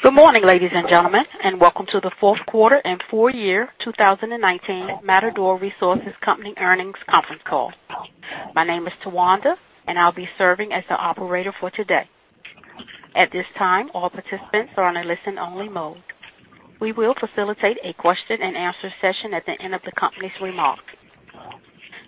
Good morning, ladies and gentlemen, and welcome to the fourth quarter and full year 2019 Matador Resources Company earnings conference call. My name is Tawanda, and I'll be serving as the operator for today. At this time, all participants are on a listen-only mode. We will facilitate a question and answer session at the end of the company's remarks.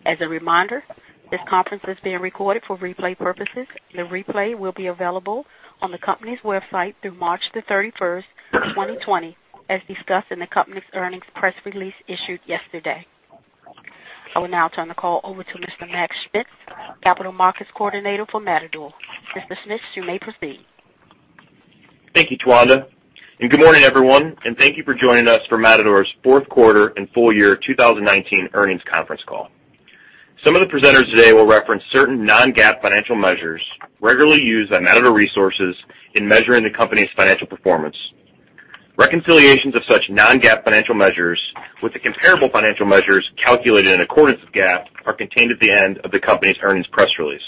As a reminder, this conference is being recorded for replay purposes. The replay will be available on the company's website through March 31st, 2020, as discussed in the company's earnings press release issued yesterday. I will now turn the call over to Mr. Mac Schmitz, Capital Markets Coordinator for Matador. Mr. Schmitz, you may proceed. Thank you, Tawanda, and good morning, everyone, and thank you for joining us for Matador's fourth quarter and full year 2019 earnings conference call. Some of the presenters today will reference certain non-GAAP financial measures regularly used by Matador Resources in measuring the company's financial performance. Reconciliations of such non-GAAP financial measures with the comparable financial measures calculated in accordance with GAAP are contained at the end of the company's earnings press release.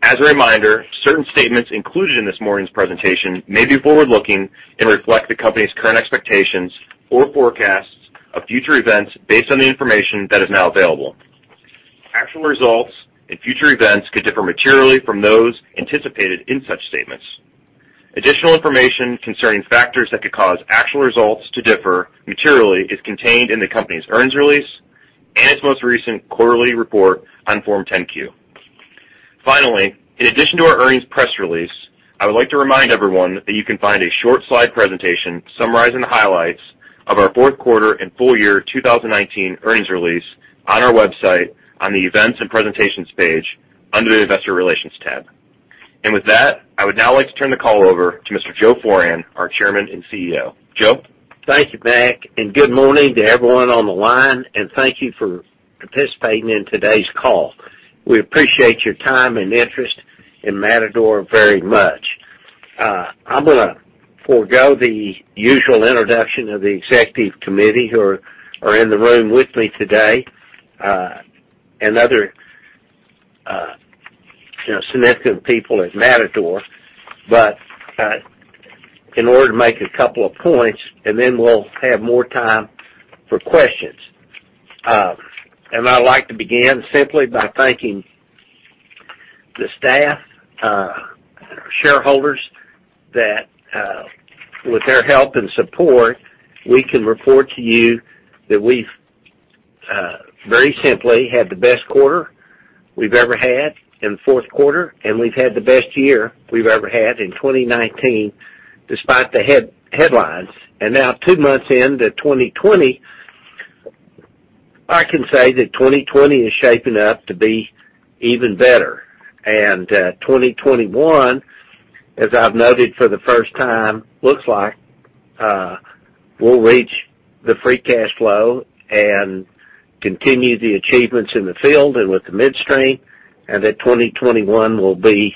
As a reminder, certain statements included in this morning's presentation may be forward-looking and reflect the company's current expectations or forecasts of future events based on the information that is now available. Actual results and future events could differ materially from those anticipated in such statements. Additional information concerning factors that could cause actual results to differ materially is contained in the company's earnings release and its most recent quarterly report on Form 10-Q. Finally, in addition to our earnings press release, I would like to remind everyone that you can find a short slide presentation summarizing the highlights of our fourth quarter and full year 2019 earnings release on our website on the Events and Presentations page under the Investor Relations tab. With that, I would now like to turn the call over to Mr. Joe Foran, our Chairman and CEO. Joe? Thank you, Mac. Good morning to everyone on the line. Thank you for participating in today's call. We appreciate your time and interest in Matador very much. I'm gonna forego the usual introduction of the executive committee who are in the room with me today, and other significant people at Matador. In order to make a couple of points, then we'll have more time for questions. I'd like to begin simply by thanking the staff, our shareholders, that with their help and support, we can report to you that we've very simply had the best quarter we've ever had in the fourth quarter, and we've had the best year we've ever had in 2019, despite the headlines. Now two months into 2020, I can say that 2020 is shaping up to be even better. 2021, as I've noted for the first time, looks like we'll reach the free cash flow and continue the achievements in the field and with the midstream, and that 2021 will be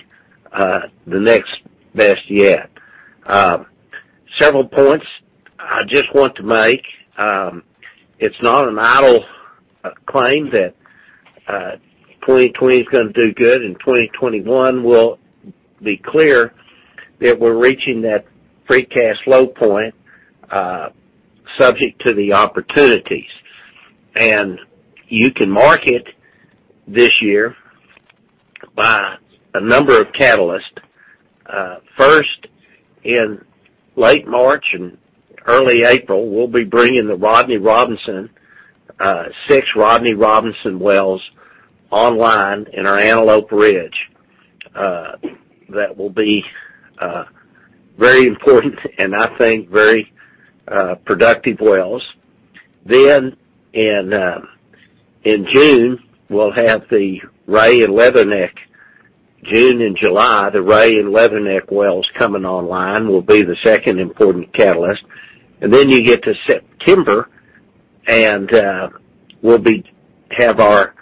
the next best yet. Several points I just want to make. It's not an idle claim that 2020's gonna do good, and 2021 will be clear that we're reaching that free cash flow point, subject to the opportunities. You can mark it this year by a number of catalysts. First, in late March and early April, we'll be bringing the Rodney Robinson, six Rodney Robinson wells online in our Antelope Ridge. That will be very important and I think very productive wells. In June, we'll have the Ray and Leatherneck. June and July, the Ray and Leatherneck wells coming online will be the second important catalyst. You get to September, and we'll have our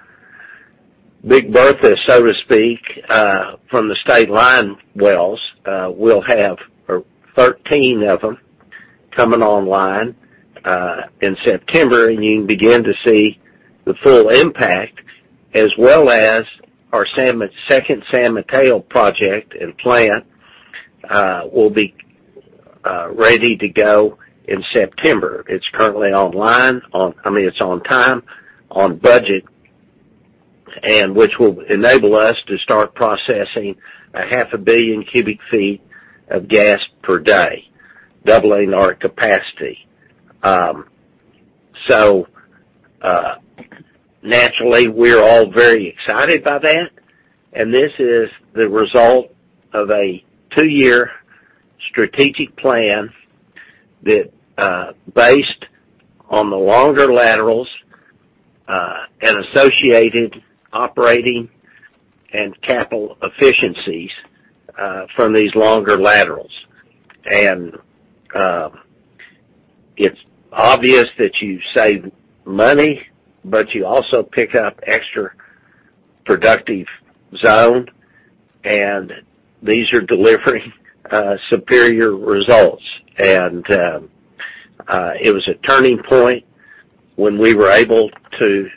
big birthday, so to speak, from the Stateline wells. We'll have 13 of them coming online, in September, and you can begin to see the full impact, as well as our second San Mateo project and plant will be ready to go in September. It's on time, on budget, and which will enable us to start processing a half a billion cubic feet of gas per day, doubling our capacity. Naturally, we're all very excited by that. This is the result of a two-year strategic plan that, based on the longer laterals, and associated operating and capital efficiencies, from these longer laterals. It's obvious that you save money, but you also pick up extra productive zone, and these are delivering superior results. It was a turning point when we were able to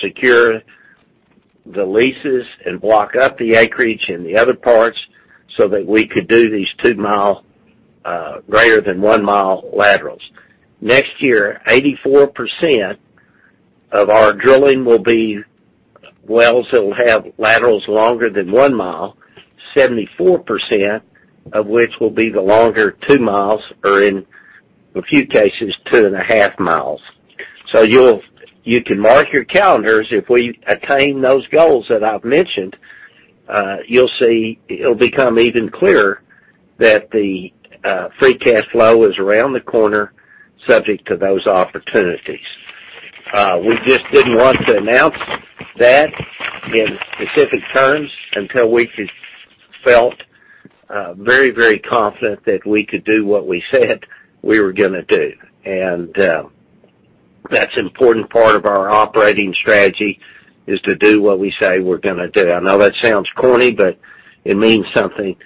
secure the leases and block up the acreage in the other parts so that we could do these 2 mi greater than 1 mi laterals. Next year, 84% of our drilling will be wells that will have laterals longer than 1 mi, 74% of which will be the longer 2 mi, or in a few cases, 2.5 mi. You can mark your calendars. If we attain those goals that I've mentioned, you'll see it'll become even clearer that the free cash flow is around the corner, subject to those opportunities. We just didn't want to announce that in specific terms until we felt very confident that we could do what we said we were going to do. That's important part of our operating strategy, is to do what we say we're going to do. I know that sounds corny, it means something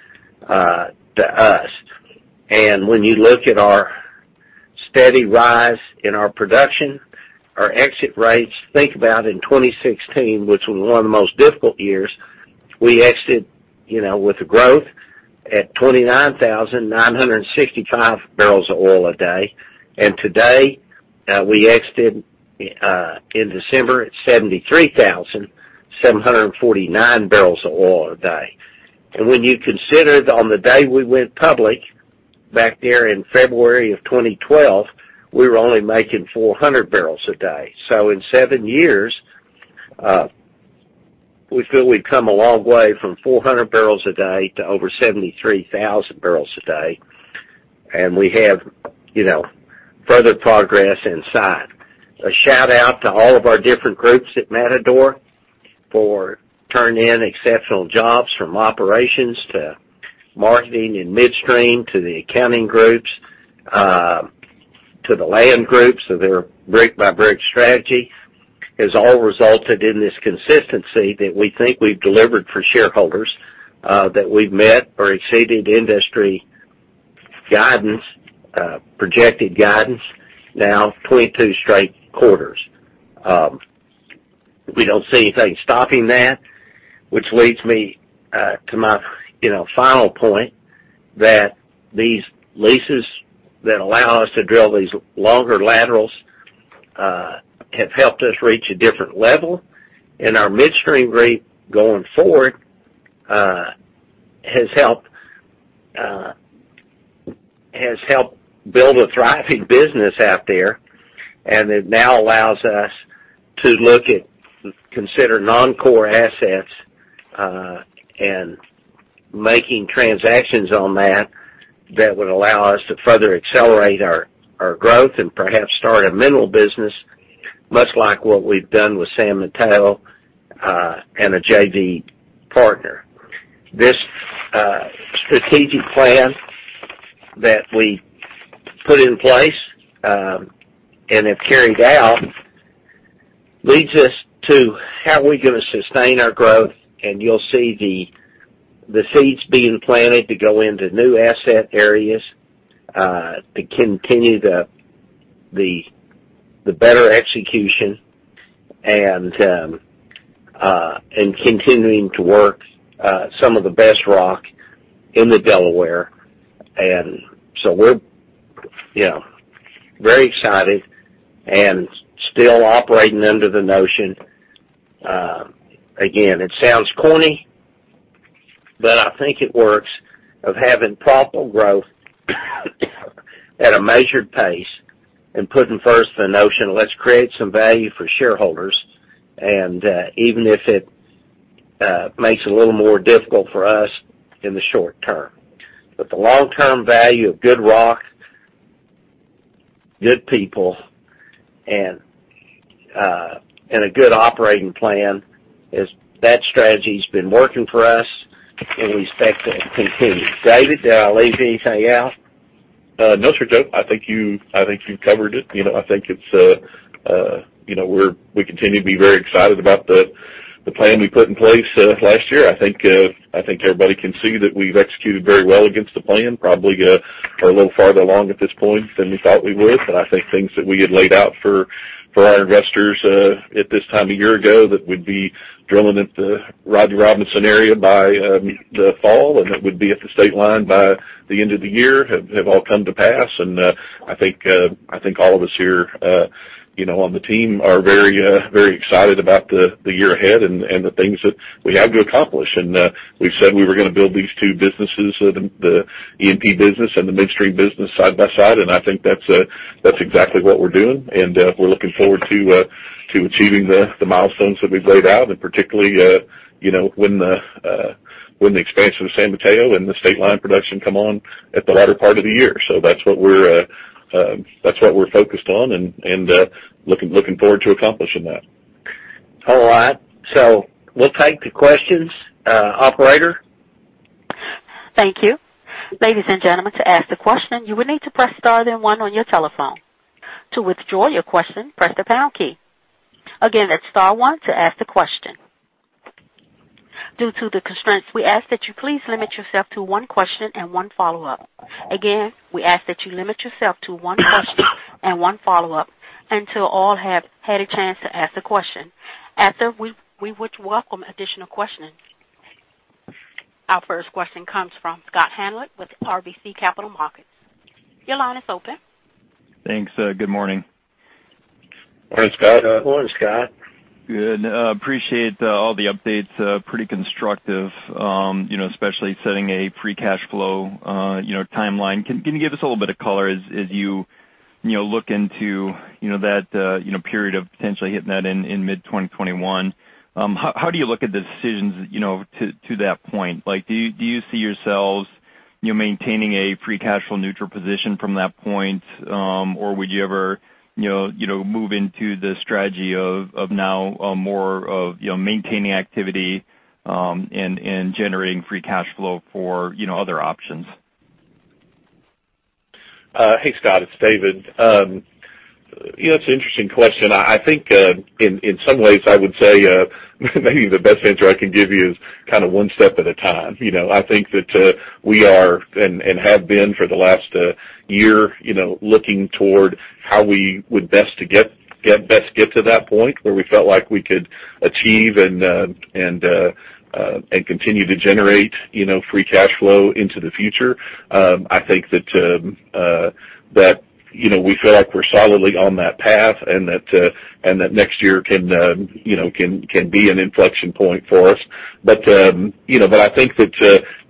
to us. When you look at our steady rise in our production, our exit rates, think about in 2016, which was one of the most difficult years, we exited, with the growth at 29,965 bbl of oil a day. Today, we exited in December at 73,749 bbl of oil a day. When you consider on the day we went public back there in February of 2012, we were only making 400 bbl a day. In seven years, we feel we've come a long way from 400 bbl a day to over 73,000 bbl a day, and we have further progress in sight. A shout-out to all of our different groups at Matador for turning in exceptional jobs, from operations to marketing and midstream, to the accounting groups, to the land groups with their brick-by-brick strategy, has all resulted in this consistency that we think we've delivered for shareholders, that we've met or exceeded industry guidance, projected guidance now 22 straight quarters. We don't see anything stopping that. Which leads me to my final point, that these leases that allow us to drill these longer laterals have helped us reach a different level, and our midstream rate going forward has helped build a thriving business out there. It now allows us to look at consider non-core assets and making transactions on that would allow us to further accelerate our growth and perhaps start a mineral business, much like what we've done with San Mateo and a JV partner. This strategic plan that we put in place and have carried out leads us to how we're going to sustain our growth. You'll see the seeds being planted to go into new asset areas to continue the better execution and continuing to work some of the best rock in the Delaware. We're very excited and still operating under the notion, again, it sounds corny, but I think it works, of having profitable growth at a measured pace and putting first the notion, let's create some value for shareholders, even if it makes it a little more difficult for us in the short term. The long-term value of good rock, good people, and a good operating plan, that strategy's been working for us. We expect it to continue. David, did I leave anything out? No, sir, Joe. I think you covered it. We continue to be very excited about the plan we put in place last year. I think everybody can see that we've executed very well against the plan. Probably are a little farther along at this point than we thought we would. I think things that we had laid out for our investors at this time a year ago, that we'd be drilling at the Rodney Robinson area by the fall and that we'd be at the Stateline by the end of the year have all come to pass. I think all of us here on the team are very excited about the year ahead and the things that we have to accomplish. We've said we were going to build these two businesses, the E&P business and the midstream business, side by side, and I think that's exactly what we're doing. We're looking forward to achieving the milestones that we've laid out, and particularly, when the expansion of San Mateo and the Stateline production come on at the latter part of the year. That's what we're focused on and looking forward to accomplishing that. All right. We'll take the questions. Operator? Thank you. Ladies and gentlemen, to ask a question, you will need to press star then one on your telephone. To withdraw your question, press the pound key. Again, that's star one to ask a question. Due to the constraints, we ask that you please limit yourself to one question and one follow-up. Again, we ask that you limit yourself to one question and one follow-up until all have had a chance to ask a question. After, we would welcome additional questions. Our first question comes from Scott Hanold with RBC Capital Markets. Your line is open. Thanks. Good morning. Morning, Scott. Morning, Scott. Good. Appreciate all the updates, pretty constructive, especially setting a free cash flow timeline. Can you give us a little bit of color as you look into that period of potentially hitting that in mid-2021? How do you look at the decisions to that point? Do you see yourselves maintaining a free cash flow neutral position from that point? Or would you ever move into the strategy of now more of maintaining activity, and generating free cash flow for other options? Hey, Scott, it's David. It's an interesting question. I think, in some ways, I would say, maybe the best answer I can give you is one step at a time. I think that we are, and have been for the last year, looking toward how we would best get to that point where we felt like we could achieve and continue to generate free cash flow into the future. I think that we feel like we're solidly on that path, and that next year can be an inflection point for us. I think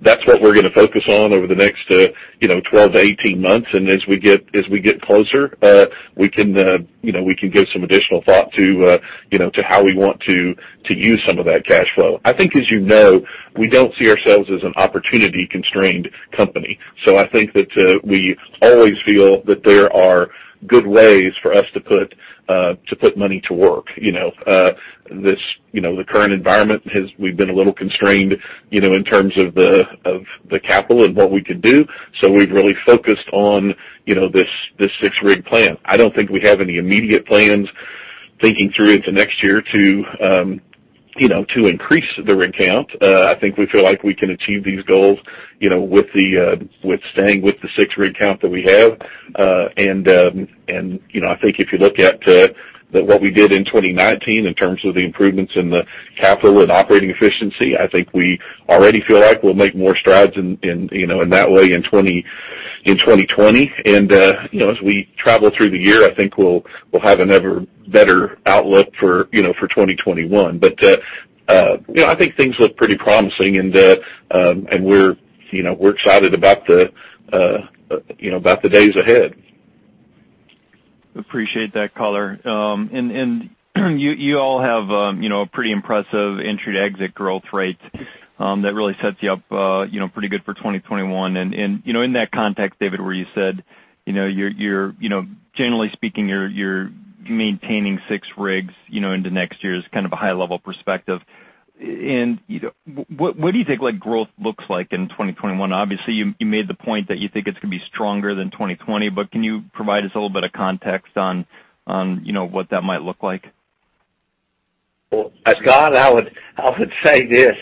that's what we're going to focus on over the next 12-18 months. As we get closer, we can give some additional thought to how we want to use some of that cash flow. I think, as you know, we don't see ourselves as an opportunity-constrained company. I think that we always feel that there are good ways for us to put money to work. The current environment, we've been a little constrained in terms of the capital and what we could do. We've really focused on this six-rig plan. I don't think we have any immediate plans thinking through into next year to increase the rig count. I think we feel like we can achieve these goals with staying with the six-rig count that we have. I think if you look at what we did in 2019 in terms of the improvements in the capital and operating efficiency, I think we already feel like we'll make more strides in that way in 2020. As we travel through the year, I think we'll have an ever better outlook for 2021. I think things look pretty promising, and we're excited about the days ahead. Appreciate that color. You all have a pretty impressive entry to exit growth rate that really sets you up pretty good for 2021. In that context, David, where you said, generally speaking, you're maintaining six rigs into next year as kind of a high-level perspective. What do you think growth looks like in 2021? Obviously, you made the point that you think it's going to be stronger than 2020, but can you provide us a little bit of context on what that might look like? Well, Scott, I would say this.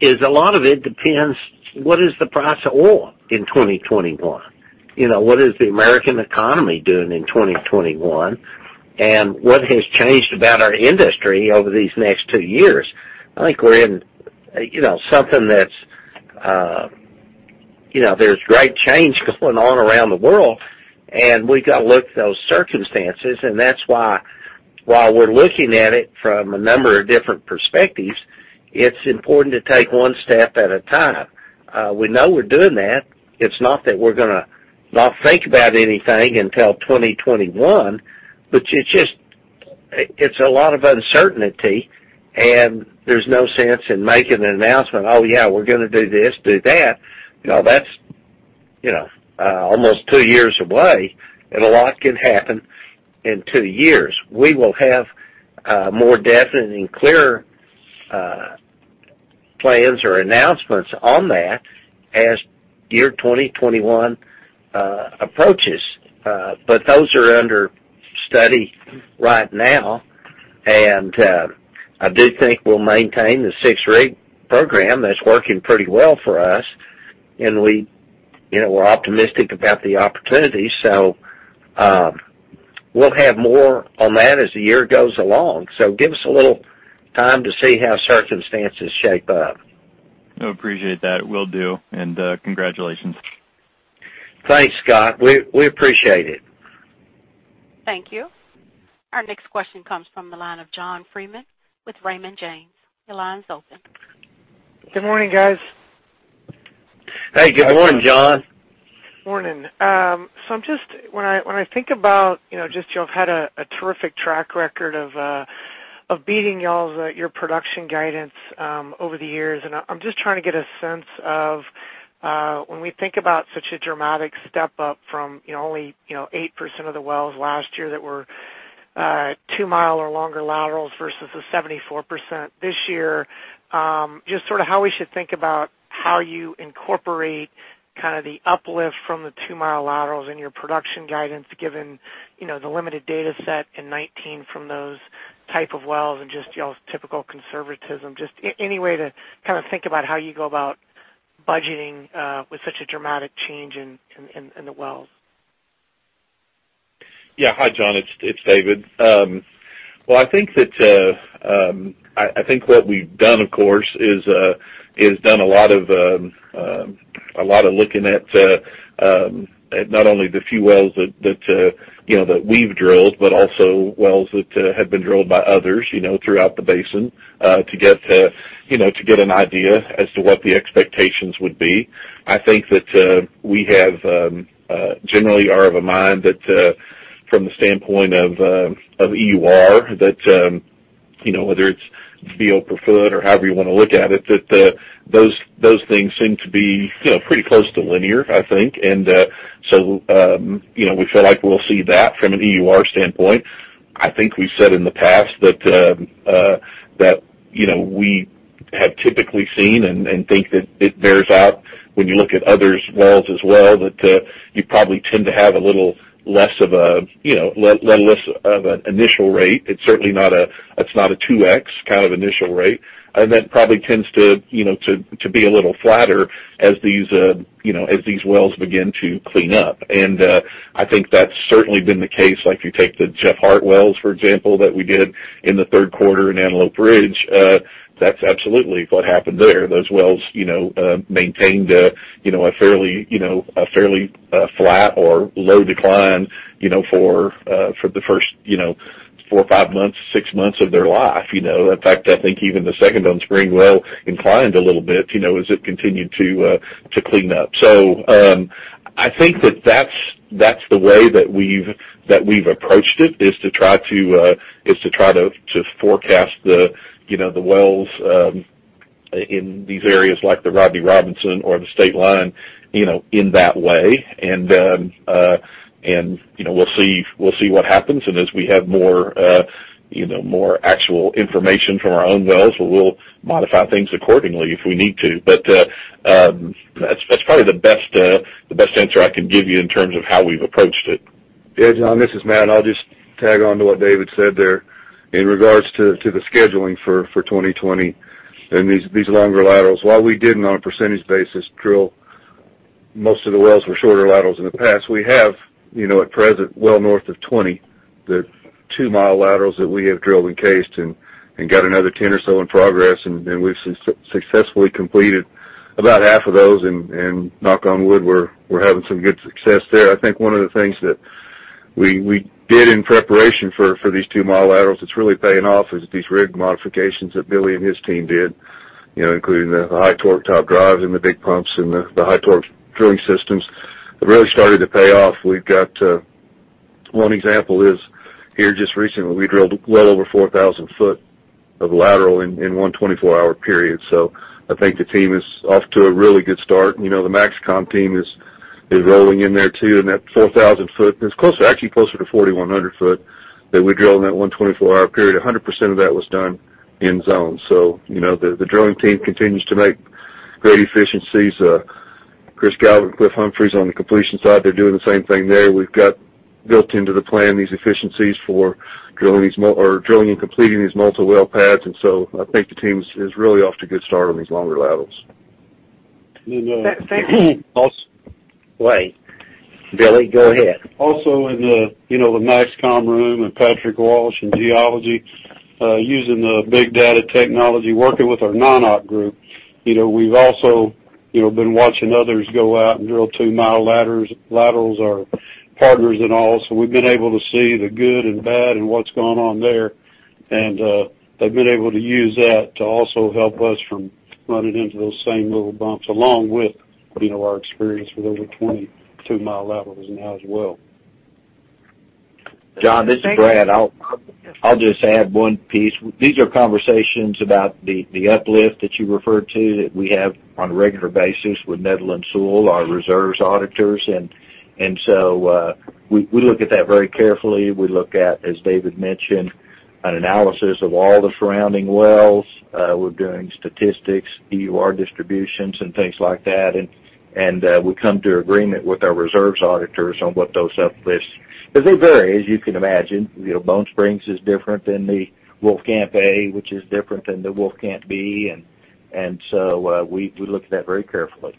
Is a lot of it depends what is the price of oil in 2021. What is the American economy doing in 2021? What has changed about our industry over these next two years? I think we're in something there's great change going on around the world, and we've got to look at those circumstances. That's why, while we're looking at it from a number of different perspectives, it's important to take one step at a time. We know we're doing that. It's not that we're going to not think about anything until 2021, but it's a lot of uncertainty, and there's no sense in making an announcement, "Oh, yeah, we're gonna do this, do that." That's almost two years away, and a lot can happen in two years. We will have more definite and clearer plans or announcements on that as year 2021 approaches. Those are under study right now, and I do think we'll maintain the six-rig program that's working pretty well for us. We're optimistic about the opportunity. We'll have more on that as the year goes along. Give us a little time to see how circumstances shape up. I appreciate that. Will do, and congratulations. Thanks, Scott. We appreciate it. Thank you. Our next question comes from the line of John Freeman with Raymond James. Your line's open. Good morning, guys. Hey, good morning, John. Morning. When I think about just you all have had a terrific track record of beating your production guidance over the years, and I'm just trying to get a sense of when we think about such a dramatic step-up from only 8% of the wells last year that were 2 mi or longer laterals versus the 74% this year. Just sort of how we should think about how you incorporate the uplift from the 2 mi laterals in your production guidance, given the limited data set in 2019 from those type of wells, and just y'all's typical conservatism. Just any way to think about how you go about budgeting with such a dramatic change in the wells. Hi, John. It's David. I think what we've done, of course, is done a lot of looking at not only the few wells that we've drilled, but also wells that have been drilled by others throughout the basin, to get an idea as to what the expectations would be. I think that we have generally are of a mind that from the standpoint of EUR, that whether it's BOE per foot or however you want to look at it, that those things seem to be pretty close to linear, I think. We feel like we'll see that from an EUR standpoint. I think we've said in the past that we have typically seen, and think that it bears out when you look at others' wells as well, that you probably tend to have a little less of an initial rate. It's certainly not a 2x kind of initial rate, and that probably tends to be a little flatter as these wells begin to clean up. I think that's certainly been the case. Like if you take the Jeff Hart wells, for example, that we did in the third quarter in Antelope Ridge, that's absolutely what happened there. Those wells maintained a fairly flat or low decline for the first four, five months, six months of their life. In fact, I think even the Second Bone Spring well inclined a little bit as it continued to clean up. I think that that's the way that we've approached it, is to try to forecast the wells in these areas like the Rodney Robinson or the Stateline in that way. We'll see what happens, and as we have more actual information from our own wells, we'll modify things accordingly if we need to. That's probably the best answer I can give you in terms of how we've approached it. Yeah, John, this is Matt. I'll just tag onto what David said there in regards to the scheduling for 2020 and these longer laterals. While we didn't, on a percentage basis, drill most of the wells were shorter laterals in the past, we have, at present, well north of 20, the 2 mi laterals that we have drilled and cased and got another 10 or so in progress. We've successfully completed about half of those and, knock on wood, we're having some good success there. I think one of the things that we did in preparation for these 2 mi laterals that's really paying off is these rig modifications that Billy and his team did, including the high torque top drives and the big pumps and the high torque drilling systems. It really started to pay off. We've got one example is here just recently, we drilled well over 4,000 ft of lateral in one 24-hour period. I think the team is off to a really good start. The MAXCOM team is rolling in there, too, and that 4,000 ft, it's actually closer to 4,100 ft that we drill in that one 24-hour period. 100% of that was done in zone. The drilling team continues to make great efficiencies. Chris Galvin, Cliff Humphries on the completion side, they're doing the same thing there. We've got built into the plan these efficiencies for drilling and completing these multi-well pads, I think the team is really off to a good start on these longer laterals. Wait. Billy, go ahead. Also in the MAXCOM room and Patrick Walsh in geology, using the big data technology, working with our non-op group, we've also been watching others go out and drill 2 mi laterals, our partners and all. We've been able to see the good and bad and what's gone on there. They've been able to use that to also help us from running into those same little bumps along with our experience with over 20, 2 mi laterals now as well. John, this is Brad. I'll just add one piece. These are conversations about the uplift that you referred to that we have on a regular basis with Netherland, Sewell, our reserves auditors. We look at that very carefully. We look at, as David mentioned, an analysis of all the surrounding wells. We're doing statistics, EUR distributions, and things like that, and we come to agreement with our reserves auditors on what those uplifts, Because they vary, as you can imagine. Bone Spring is different than the Wolfcamp A, which is different than the Wolfcamp B. We look at that very carefully.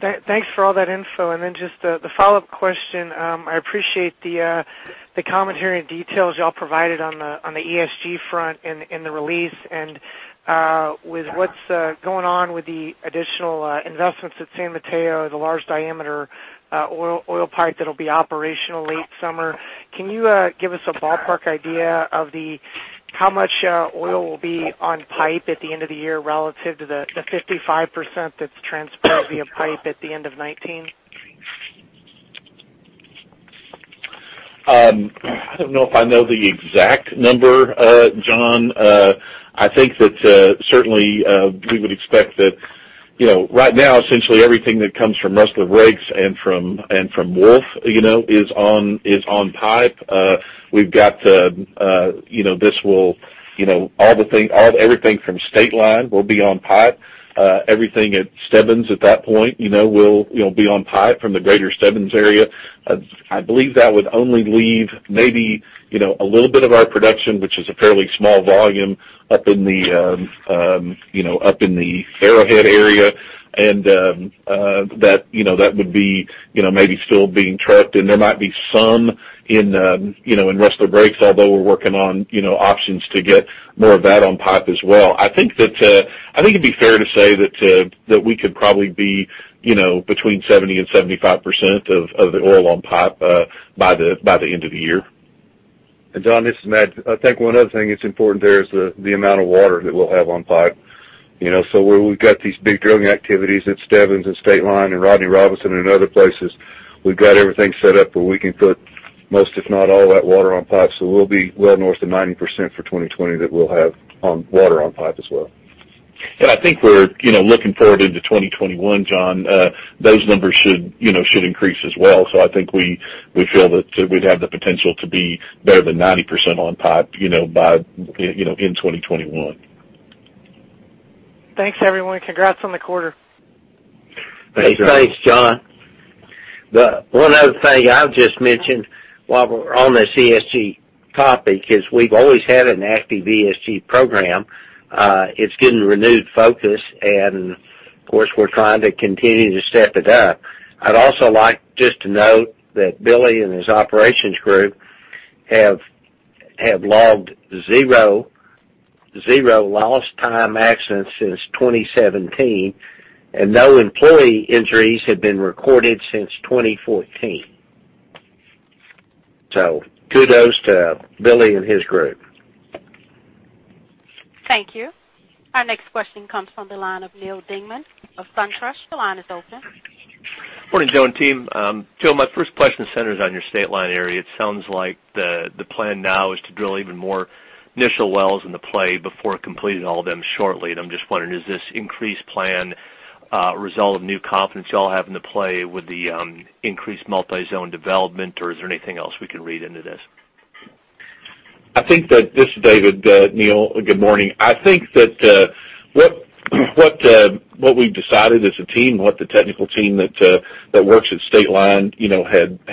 Thanks for all that info. Then just the follow-up question. I appreciate the commentary and details you all provided on the ESG front and in the release. With what's going on with the additional investments at San Mateo, the large diameter oil pipe that'll be operational late summer, can you give us a ballpark idea of how much oil will be on pipe at the end of the year relative to the 55% that's transferred via pipe at the end of 2019? I don't know if I know the exact number, John. I think that certainly, we would expect that. Right now, essentially everything that comes from Rustler Breaks and from Wolf is on pipe. Everything from Stateline will be on pipe. Everything at Stebbins at that point will be on pipe from the greater Stebbins area. I believe that would only leave maybe a little bit of our production, which is a fairly small volume, up in the Arrowhead area, and that would be maybe still being trucked. There might be some in Rustler Breaks, although we're working on options to get more of that on pipe as well. I think it'd be fair to say that we could probably be between 70%-75% of the oil on pipe by the end of the year. John, this is Matt. I think one other thing that's important there is the amount of water that we'll have on pipe. Where we've got these big drilling activities at Stebbins and Stateline and Rodney Robinson and other places, we've got everything set up where we can put most, if not all of that water on pipe. We'll be well north of 90% for 2020 that we'll have water on pipe as well. Yeah, I think we're looking forward into 2021, John. Those numbers should increase as well. I think we feel that we'd have the potential to be better than 90% on pipe in 2021. Thanks, everyone. Congrats on the quarter. Thanks, John. Thanks, John. One other thing I'll just mention while we're on this ESG topic, is we've always had an active ESG program. It's getting renewed focus, and of course, we're trying to continue to step it up. I'd also like just to note that Billy and his operations group have logged zero lost time accidents since 2017, and no employee injuries have been recorded since 2014. Kudos to Billy and his group. Thank you. Our next question comes from the line of Neal Dingmann of SunTrust. The line is open. Morning, Joe and team. Joe, my first question centers on your Stateline area. It sounds like the plan now is to drill even more initial wells in the play before completing all of them shortly. I'm just wondering, is this increased plan a result of new confidence you all have in the play with the increased multi-zone development, or is there anything else we can read into this? This is David. Neal, good morning. I think that what we've decided as a team, what the technical team that works at Stateline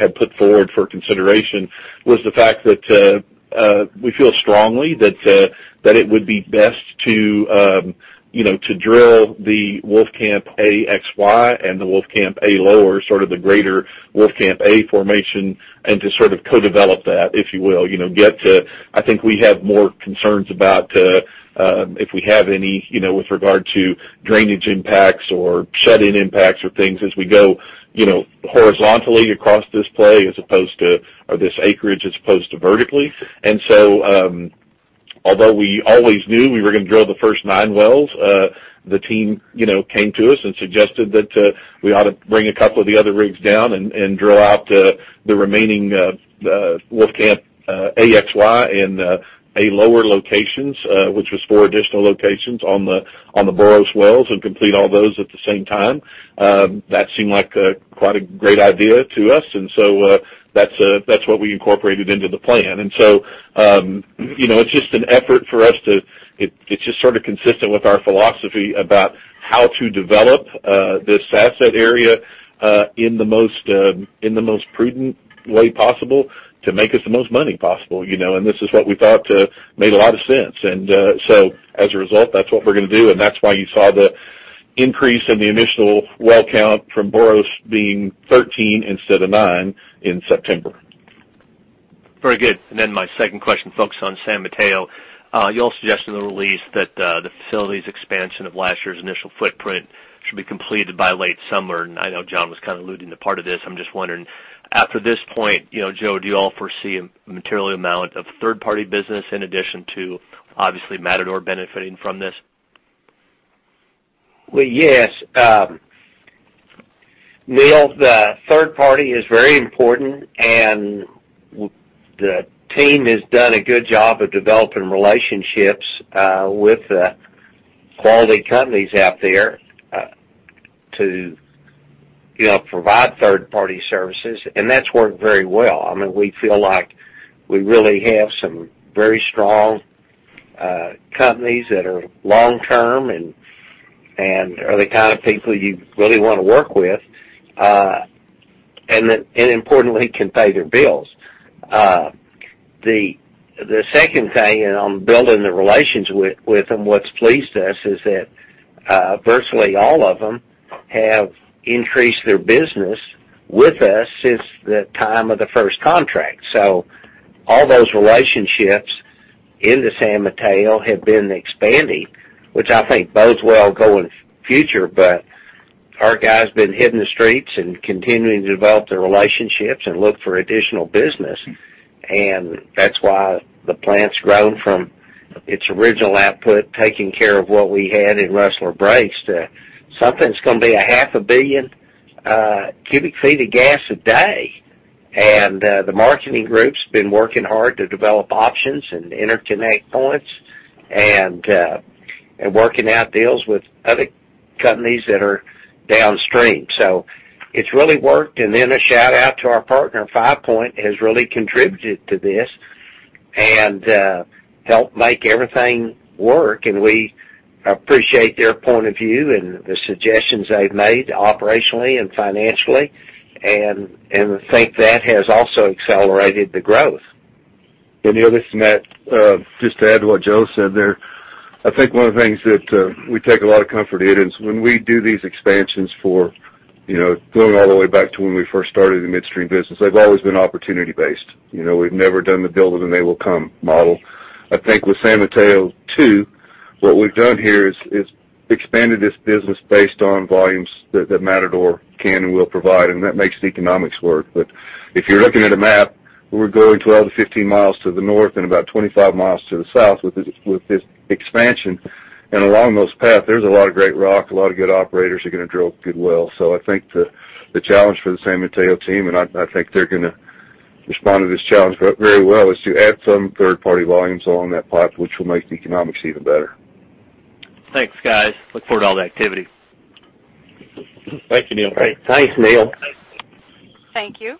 had put forward for consideration was the fact that we feel strongly that it would be best to drill the Wolfcamp AXY and the Wolfcamp A lower, sort of the greater Wolfcamp A formation, and to sort of co-develop that, if you will. I think we have more concerns about if we have any with regard to drainage impacts or shut-in impacts or things as we go horizontally across this play, or this acreage, as opposed to vertically. Although we always knew we were going to drill the first nine wells, the team came to us and suggested that we ought to bring a couple of the other rigs down and drill out the remaining Wolfcamp AXY and A lower locations, which was four additional locations on the Boros wells, and complete all those at the same time. That seemed like quite a great idea to us, that's what we incorporated into the plan. It's just sort of consistent with our philosophy about how to develop this asset area in the most prudent way possible to make us the most money possible. This is what we thought made a lot of sense. As a result, that's what we're going to do, and that's why you saw the increase in the initial well count from Boros being 13 instead of nine in September. Very good. My second question focuses on San Mateo. You all suggested in the release that the facility's expansion of last year's initial footprint should be completed by late summer. I know John was kind of alluding to part of this. I'm just wondering, after this point, Joe, do you all foresee a material amount of third-party business in addition to obviously Matador benefiting from this? Well, yes. Neal, the third party is very important. The team has done a good job of developing relationships with quality companies out there to provide third-party services, and that's worked very well. We feel like we really have some very strong companies that are long-term and are the kind of people you really want to work with, and importantly, can pay their bills. The second thing, on building the relations with them, what's pleased us is that virtually all of them have increased their business with us since the time of the first contract. All those relationships into San Mateo have been expanding, which I think bodes well going future. Our guys have been hitting the streets and continuing to develop the relationships and look for additional business, and that's why the plant's grown from its original output, taking care of what we had in Rustler Breaks to something that's going to be a half a billion cubic feet of gas a day. The marketing group's been working hard to develop options and interconnect points and working out deals with other companies that are downstream. It's really worked. A shout-out to our partner, Five Point, has really contributed to this and helped make everything work. We appreciate their point of view and the suggestions they've made operationally and financially, and think that has also accelerated the growth. Neal, this is Matt. Just to add to what Joe said there, one of the things that we take a lot of comfort in is when we do these expansions for going all the way back to when we first started the midstream business, they've always been opportunity-based. We've never done the build-it-and-they-will-come model. With San Mateo II, what we've done here is expanded this business based on volumes that Matador can and will provide, and that makes the economics work. If you're looking at a map, we're going 12 mi-15 mi to the north and about 25 mi to the south with this expansion. Along those paths, there's a lot of great rock, a lot of good operators are going to drill good wells. I think the challenge for the San Mateo team, and I think they're going to respond to this challenge very well, is to add some third-party volumes along that pipe, which will make the economics even better. Thanks, guys. Look forward to all the activity. Thank you, Neal. Thanks, Neal. Thank you.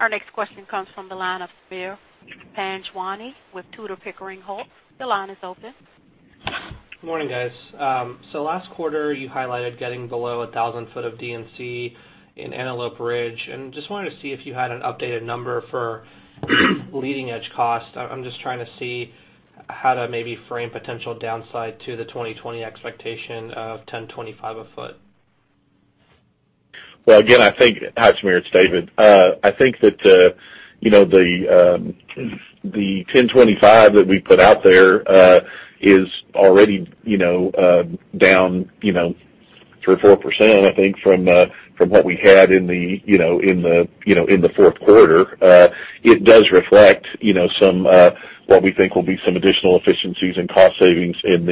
Our next question comes from the line of Sameer Panjwani with Tudor, Pickering, Holt. The line is open. Good morning, guys. Last quarter, you highlighted getting below 1,000 ft of D&C in Antelope Ridge, just wanted to see if you had an updated number for leading-edge cost. I'm just trying to see how to maybe frame potential downside to the 2020 expectation of 1025 a ft. Well, hi, Sameer. It's David. I think that the 1,025 that we put out there is already down 3% or 4%, I think, from what we had in the fourth quarter. It does reflect what we think will be some additional efficiencies and cost savings in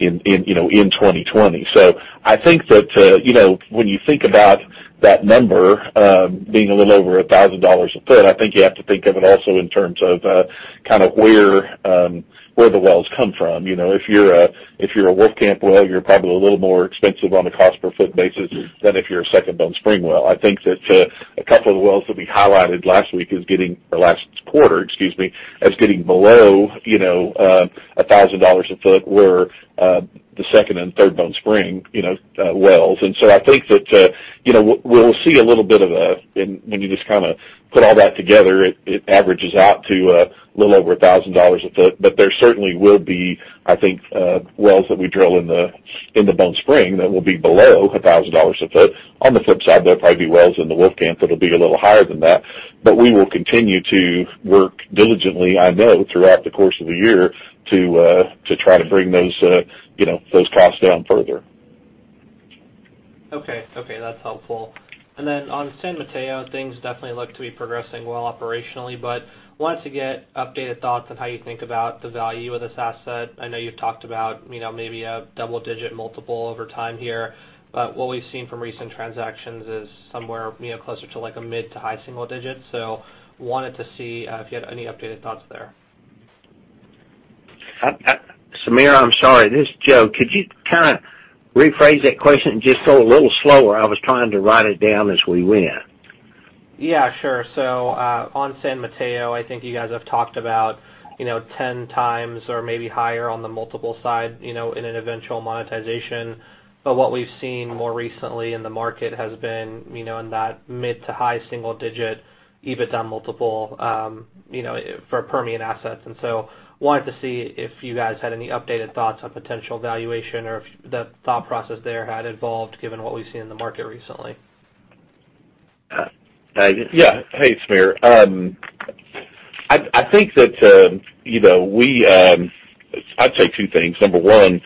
2020. I think that when you think about that number being a little over $1,000 a foot, I think you have to think of it also in terms of where the wells come from. If you're a Wolfcamp well, you're probably a little more expensive on a cost per foot basis than if you're a Second Bone Spring well. I think that a couple of the wells that we highlighted last week or last quarter, excuse me, as getting below $1,000 a foot were the Second and Third Bone Spring wells. I think that we'll see, and when you just put all that together, it averages out to a little over $1,000 a foot. There certainly will be, I think, wells that we drill in the Bone Spring that will be below $1,000 a foot. On the flip side, there'll probably be wells in the Wolfcamp that'll be a little higher than that. We will continue to work diligently, I know, throughout the course of the year to try to bring those costs down further. Okay. That's helpful. On San Mateo, things definitely look to be progressing well operationally, but wanted to get updated thoughts on how you think about the value of this asset. I know you've talked about maybe a double-digit multiple over time here, but what we've seen from recent transactions is somewhere closer to a mid to high single digits. Wanted to see if you had any updated thoughts there. Sameer, I'm sorry. This is Joe. Could you rephrase that question and just go a little slower? I was trying to write it down as we went. Yeah, sure. On San Mateo, I think you guys have talked about 10x or maybe higher on the multiple side in an eventual monetization. What we've seen more recently in the market has been in that mid to high single digit EBITDA multiple for Permian assets. I wanted to see if you guys had any updated thoughts on potential valuation or if the thought process there had evolved given what we've seen in the market recently. Yeah. Hey, Sameer. I'd say two things. Number one,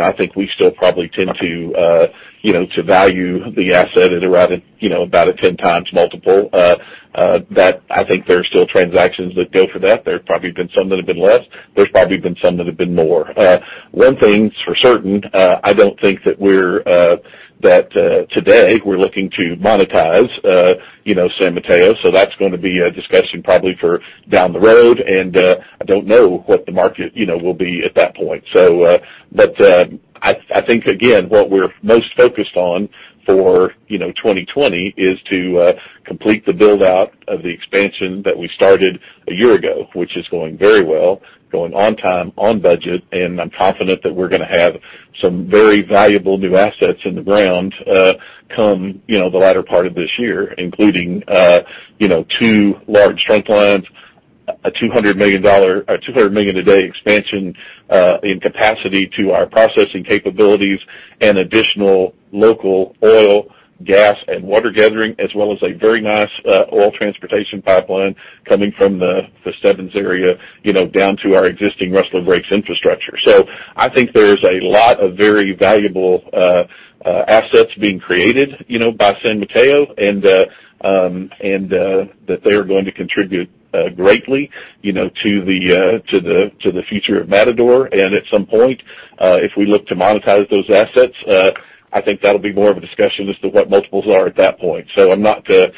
I think we still probably tend to value the asset at around about a 10x multiple. I think there are still transactions that go for that. There have probably been some that have been less. There's probably been some that have been more. One thing's for certain, I don't think that today we're looking to monetize San Mateo. That's going to be a discussion probably for down the road. I don't know what the market will be at that point. I think, again, what we're most focused on for 2020 is to complete the build-out of the expansion that we started a year ago, which is going very well, going on time, on budget, and I'm confident that we're going to have some very valuable new assets in the ground come the latter part of this year, including two large trunk lines, a $200 million a day expansion in capacity to our processing capabilities, and additional local oil, gas, and water gathering, as well as a very nice oil transportation pipeline coming from the Stebbins area down to our existing Rustler Breaks infrastructure. I think there's a lot of very valuable assets being created by San Mateo and that they are going to contribute greatly to the future of Matador. At some point, if we look to monetize those assets, I think that'll be more of a discussion as to what multiples are at that point. It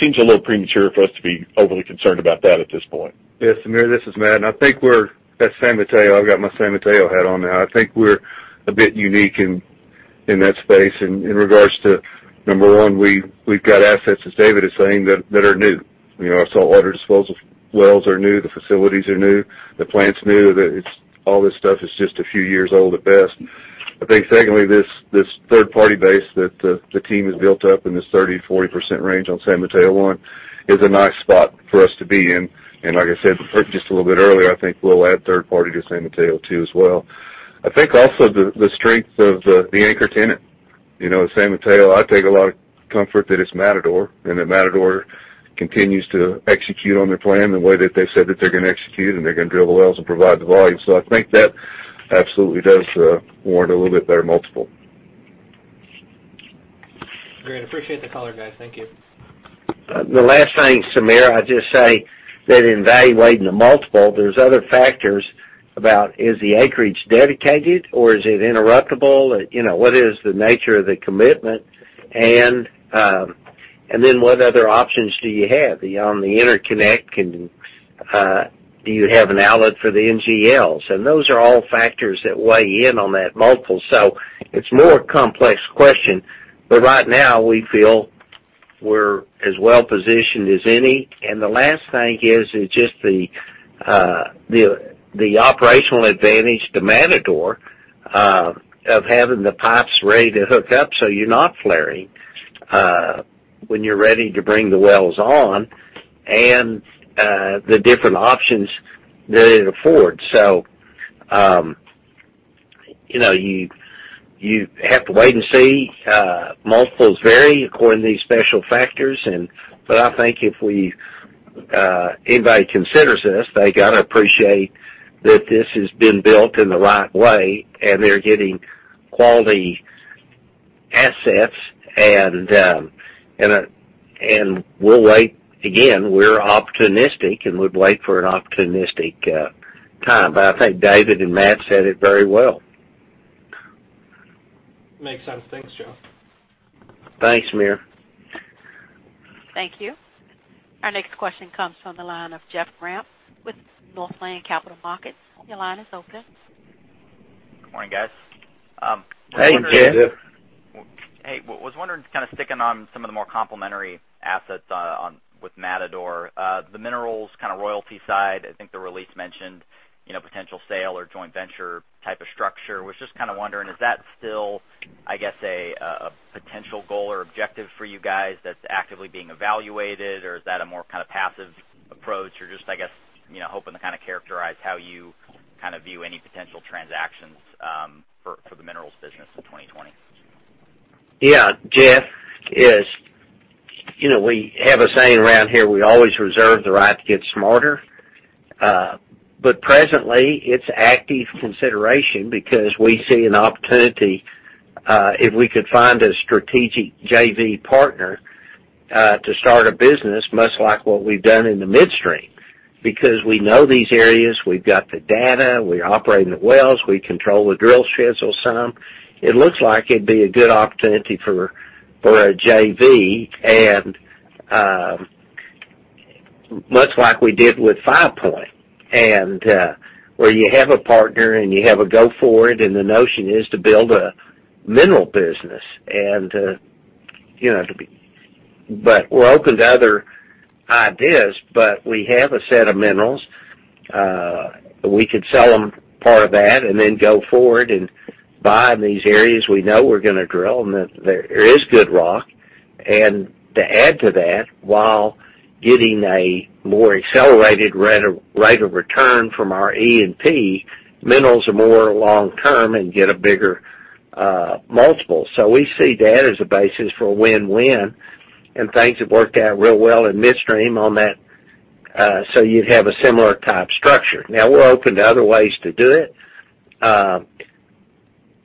seems a little premature for us to be overly concerned about that at this point. Yes, Sameer, this is Matt. I think we're, at San Mateo, I've got my San Mateo hat on now. I think we're a bit unique in that space in regards to number one, we've got assets, as David is saying, that are new. Our saltwater disposal wells are new, the facilities are new, the plant's new. All this stuff is just a few years old at best. I think secondly, this third-party base that the team has built up in this 30%-40% range on San Mateo I is a nice spot for us to be in. Like I said just a little bit earlier, I think we'll add third party to San Mateo II as well. I think also the strength of the anchor tenant, San Mateo, I take a lot of comfort that it's Matador, and that Matador continues to execute on their plan the way that they said that they're going to execute, and they're going to drill the wells and provide the volume. I think that absolutely does warrant a little bit better multiple. Great. Appreciate the color, guys. Thank you. The last thing, Sameer, I'd just say that in evaluating the multiple, there's other factors about is the acreage dedicated or is it interruptible? What is the nature of the commitment? What other options do you have beyond the interconnect, and do you have an outlet for the NGLs? Those are all factors that weigh in on that multiple. It's more a complex question, but right now we feel we're as well positioned as any. The last thing is just the operational advantage to Matador of having the pipes ready to hook up so you're not flaring when you're ready to bring the wells on, and the different options that it affords. You have to wait and see. Multiples vary according to these special factors, but I think if anybody considers this, they've got to appreciate that this has been built in the right way, and they're getting quality assets. We'll wait. Again, we're opportunistic, and we'd wait for an opportunistic time. I think David and Matt said it very well. Makes sense. Thanks, Joe. Thanks, Sameer. Thank you. Our next question comes from the line of Jeff Grampp with Northland Capital Markets. Your line is open. Good morning, guys. Hey, Jeff. Hey, Jeff. Hey. Was wondering, kind of sticking on some of the more complementary assets with Matador. The minerals royalty side, I think the release mentioned potential sale or joint venture type of structure. Was just wondering, is that still, I guess, a potential goal or objective for you guys that's actively being evaluated, or is that a more passive approach? Just, I guess, hoping to characterize how you view any potential transactions for the minerals business in 2020? Yeah. Jeff, we have a saying around here, we always reserve the right to get smarter. Presently, it's active consideration because we see an opportunity if we could find a strategic JV partner to start a business, much like what we've done in the midstream. We know these areas, we've got the data, we're operating the wells, we control the drill schedule some. It looks like it'd be a good opportunity for a JV, and much like we did with Five Point, where you have a partner and you have a go for it, and the notion is to build a mineral business. We're open to other ideas. We have a set of minerals. We could sell them part of that and then go forward and buy in these areas we know we're going to drill, and that there is good rock. To add to that, while getting a more accelerated rate of return from our E&P, minerals are more long-term and get a bigger multiple. We see that as a basis for a win-win, and things have worked out real well in midstream on that. You'd have a similar type structure. Now, we're open to other ways to do it.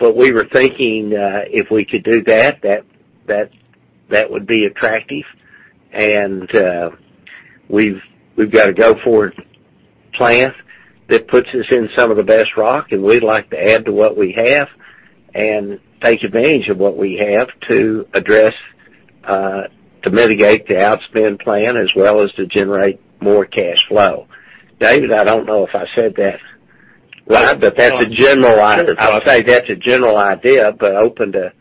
We were thinking if we could do that would be attractive, and we've got a go-forward plan that puts us in some of the best rock, and we'd like to add to what we have and take advantage of what we have to mitigate the outspend plan as well as to generate more cash flow. David, I don't know if I said that right, but that's a general idea, but open to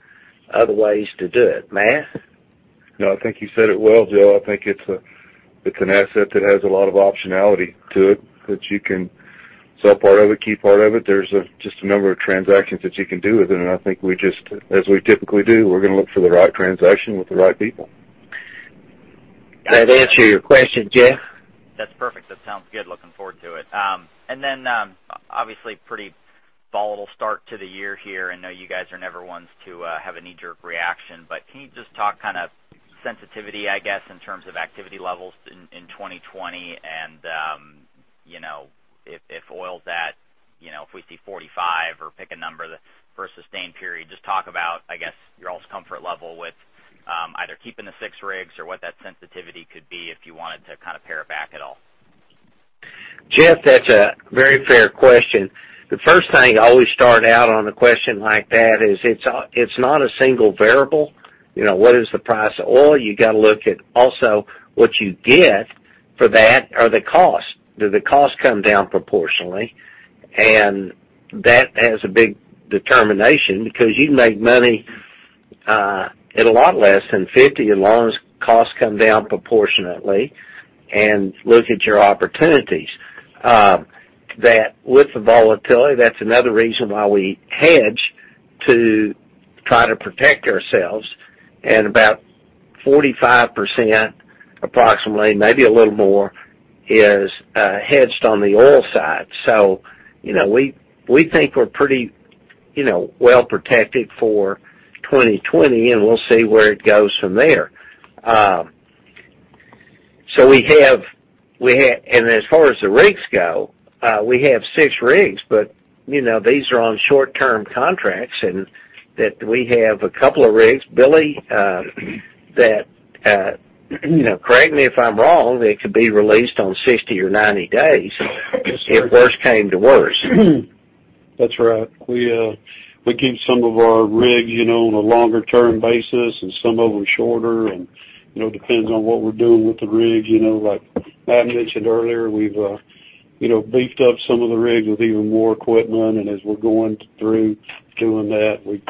other ways to do it. Matt? No, I think you said it well, Joe. I think it's an asset that has a lot of optionality to it that you can sell part of it, keep part of it. There's just a number of transactions that you can do with it, and I think as we typically do, we're going to look for the right transaction with the right people. That answer your question, Jeff? That's perfect. That sounds good. Looking forward to it. Obviously pretty volatile start to the year here. I know you guys are never ones to have a knee-jerk reaction, but can you just talk sensitivity, I guess, in terms of activity levels in 2020, if we see $45 or pick a number for a sustained period, just talk about, I guess, your all's comfort level with either keeping the six rigs or what that sensitivity could be if you wanted to pare it back at all. Jeff, that's a very fair question. The first thing I always start out on a question like that is, it's not a single variable. What is the price of oil? You got to look at also what you get for that are the costs. Do the costs come down proportionally? That has a big determination because you can make money at a lot less than $50 as long as costs come down proportionately and look at your opportunities. That with the volatility, that's another reason why we hedge to try to protect ourselves, and about 45% approximately, maybe a little more, is hedged on the oil side. We think we're pretty well-protected for 2020, and we'll see where it goes from there. As far as the rigs go, we have six rigs, but these are on short-term contracts, and that we have a couple of rigs, Billy, that, correct me if I'm wrong, they could be released on 60 or 90 days. Yes, sir. if worse came to worse. That's right. We keep some of our rigs on a longer-term basis and some of them shorter and depends on what we're doing with the rigs. Like I mentioned earlier, we've beefed up some of the rigs with even more equipment, and as we're going through doing that, we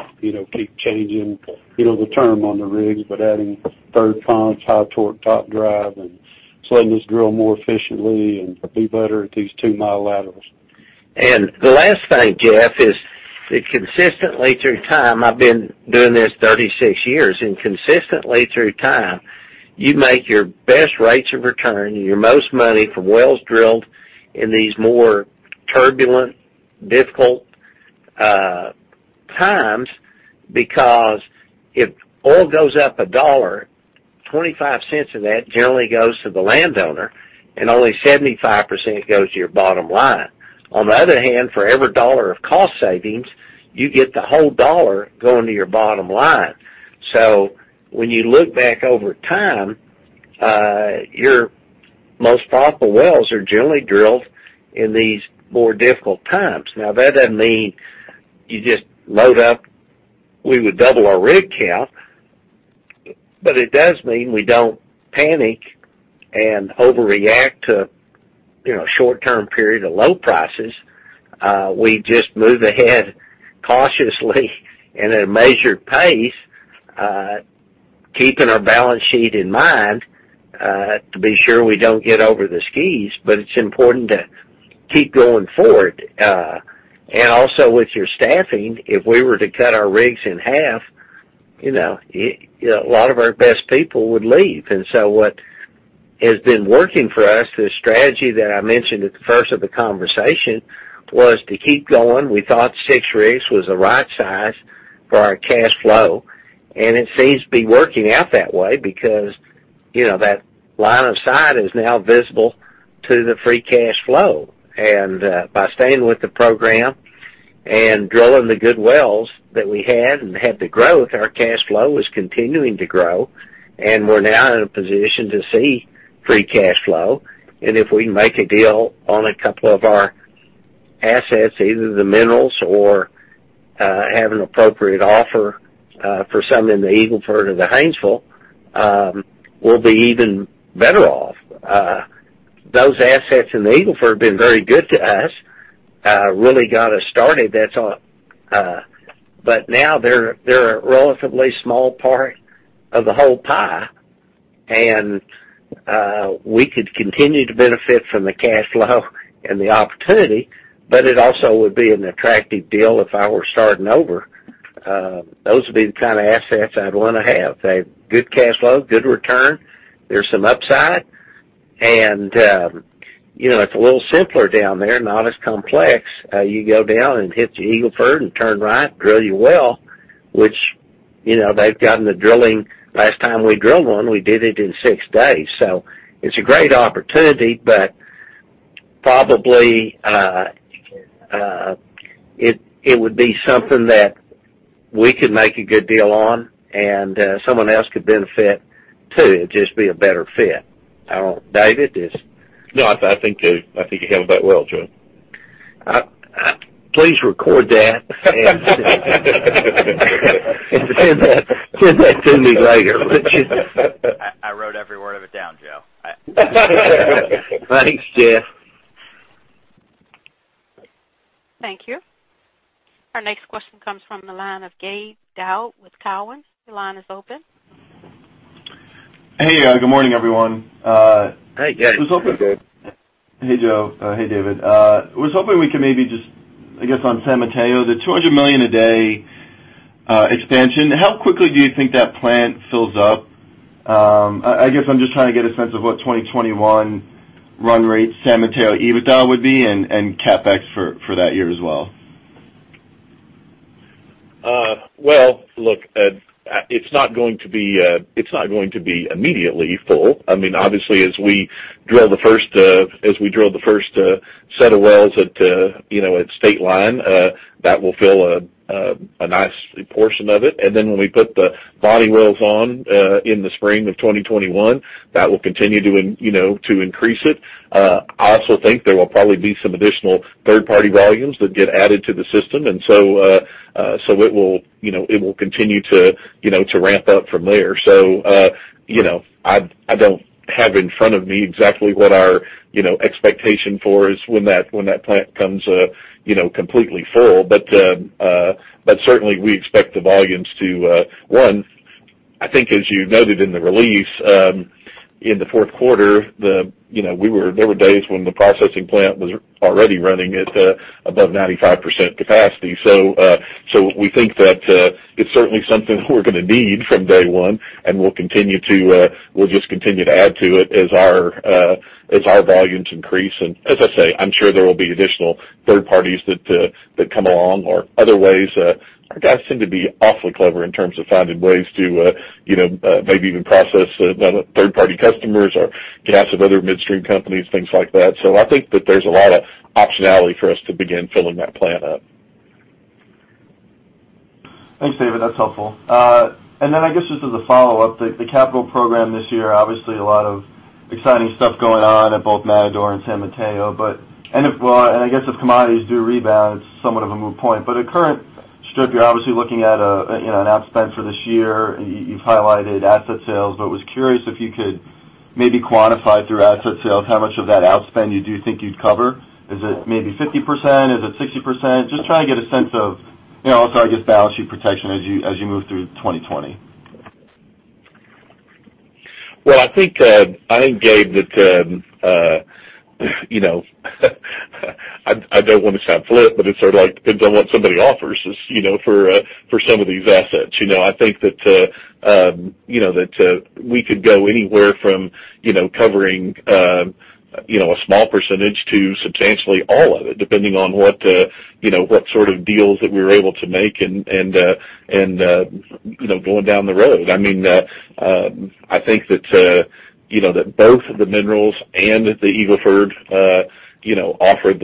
keep changing the term on the rigs, but adding third pumps, high torque top drive, and just letting this drill more efficiently and be better at these 2 mi laterals. The last thing, Jeff, is that consistently through time, I've been doing this 36 years, and consistently through time, you make your best rates of return, your most money from wells drilled in these more turbulent, difficult times because if oil goes up $1, $0.25 of that generally goes to the landowner and only 75% goes to your bottom line. On the other hand, for every dollar of cost savings, you get the whole dollar going to your bottom line. When you look back over time, your most profitable wells are generally drilled in these more difficult times. That doesn't mean you just load up, we would double our rig count, but it does mean we don't panic and overreact to short-term period of low prices. We just move ahead cautiously in a measured pace, keeping our balance sheet in mind, to be sure we don't get over the skis, but it's important to keep going forward. Also, with your staffing, if we were to cut our rigs in half, a lot of our best people would leave, so what has been working for us, the strategy that I mentioned at the first of the conversation, was to keep going. We thought six rigs was the right size for our cash flow, and it seems to be working out that way because that line of sight is now visible to the free cash flow. By staying with the program and drilling the good wells that we had and had the growth, our cash flow is continuing to grow, and we're now in a position to see free cash flow. If we make a deal on a couple of our assets, either the minerals or have an appropriate offer for some in the Eagle Ford or the Haynesville, we'll be even better off. Those assets in the Eagle Ford have been very good to us, really got us started. Now they're a relatively small part of the whole pie, and we could continue to benefit from the cash flow and the opportunity, but it also would be an attractive deal if I were starting over. Those would be the kind of assets I'd want to have. They have good cash flow, good return. There's some upside, and it's a little simpler down there, not as complex. You go down and hit the Eagle Ford and turn right, drill your well, which they've gotten the drilling. Last time we drilled one, we did it in six days. It's a great opportunity, but probably, it would be something that we could make a good deal on and someone else could benefit, too. It'd just be a better fit. David, is. No, I think you handled that well, Joe. Please record that send that to me later. I wrote every word of it down, Joe. Thanks, Jeff. Thank you. Our next question comes from the line of Gabe Daoud with Cowen. Your line is open. Hey. Good morning, everyone. Hey, Gabe. I was hoping- Hey, Gabe. Hey, Joe. Hey, David. I was hoping we could maybe just, I guess, on San Mateo, the $200 million a day expansion, how quickly do you think that plant fills up? I guess I'm just trying to get a sense of what 2021 run rate San Mateo EBITDA would be and CapEx for that year as well. It's not going to be immediately full. Obviously, as we drill the first set of wells at Stateline that will fill a nice portion of it. When we put the Voni wells on in the spring of 2021, that will continue to increase it. I also think there will probably be some additional third-party volumes that get added to the system. It will continue to ramp up from there. I don't have in front of me exactly what our expectation for is when that plant comes completely full. We expect the volumes to one, I think as you noted in the release, in the fourth quarter, there were days when the processing plant was already running above 95% capacity We think that it's certainly something we're going to need from day one, and we'll just continue to add to it as our volumes increase. As I say, I'm sure there will be additional third parties that come along or other ways. Our guys seem to be awfully clever in terms of finding ways to maybe even process third-party customers or gas of other midstream companies, things like that. I think that there's a lot of optionality for us to begin filling that plant up. Thanks, David. That's helpful. I guess just as a follow-up, the capital program this year, obviously a lot of exciting stuff going on at both Matador and San Mateo. I guess if commodities do rebound, it's somewhat of a moot point, but at current strip, you're obviously looking at an outspend for this year. You've highlighted asset sales, but I was curious if you could maybe quantify through asset sales how much of that outspend you do think you'd cover. Is it maybe 50%? Is it 60%? Just trying to get a sense of, also, I guess, balance sheet protection as you move through 2020. Well, I think, Gabe, that I don't want to sound flip, but it sort of depends on what somebody offers for some of these assets. I think that we could go anywhere from covering a small percentage to substantially all of it, depending on what sort of deals that we're able to make and going down the road. I think that both the minerals and the Eagle Ford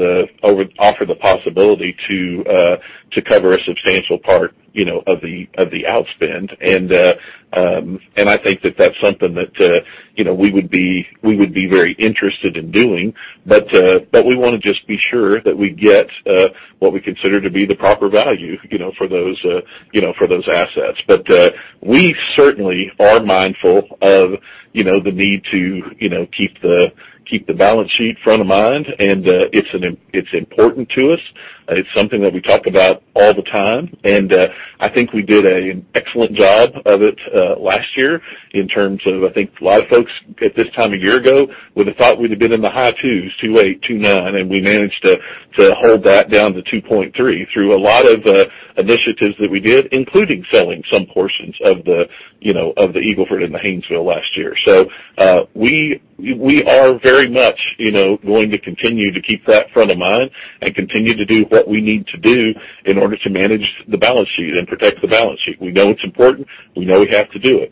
offer the possibility to cover a substantial part of the outspend. I think that that's something that we would be very interested in doing. We want to just be sure that we get what we consider to be the proper value for those assets. We certainly are mindful of the need to keep the balance sheet front of mind. It's important to us. It's something that we talk about all the time, and I think we did an excellent job of it last year in terms of, I think a lot of folks at this time a year ago would have thought we'd have been in the high 2s, 2.8, 2.9, and we managed to hold that down to 2.3 through a lot of initiatives that we did, including selling some portions of the Eagle Ford and the Haynesville last year. We are very much going to continue to keep that front of mind and continue to do what we need to do in order to manage the balance sheet and protect the balance sheet. We know it's important. We know we have to do it.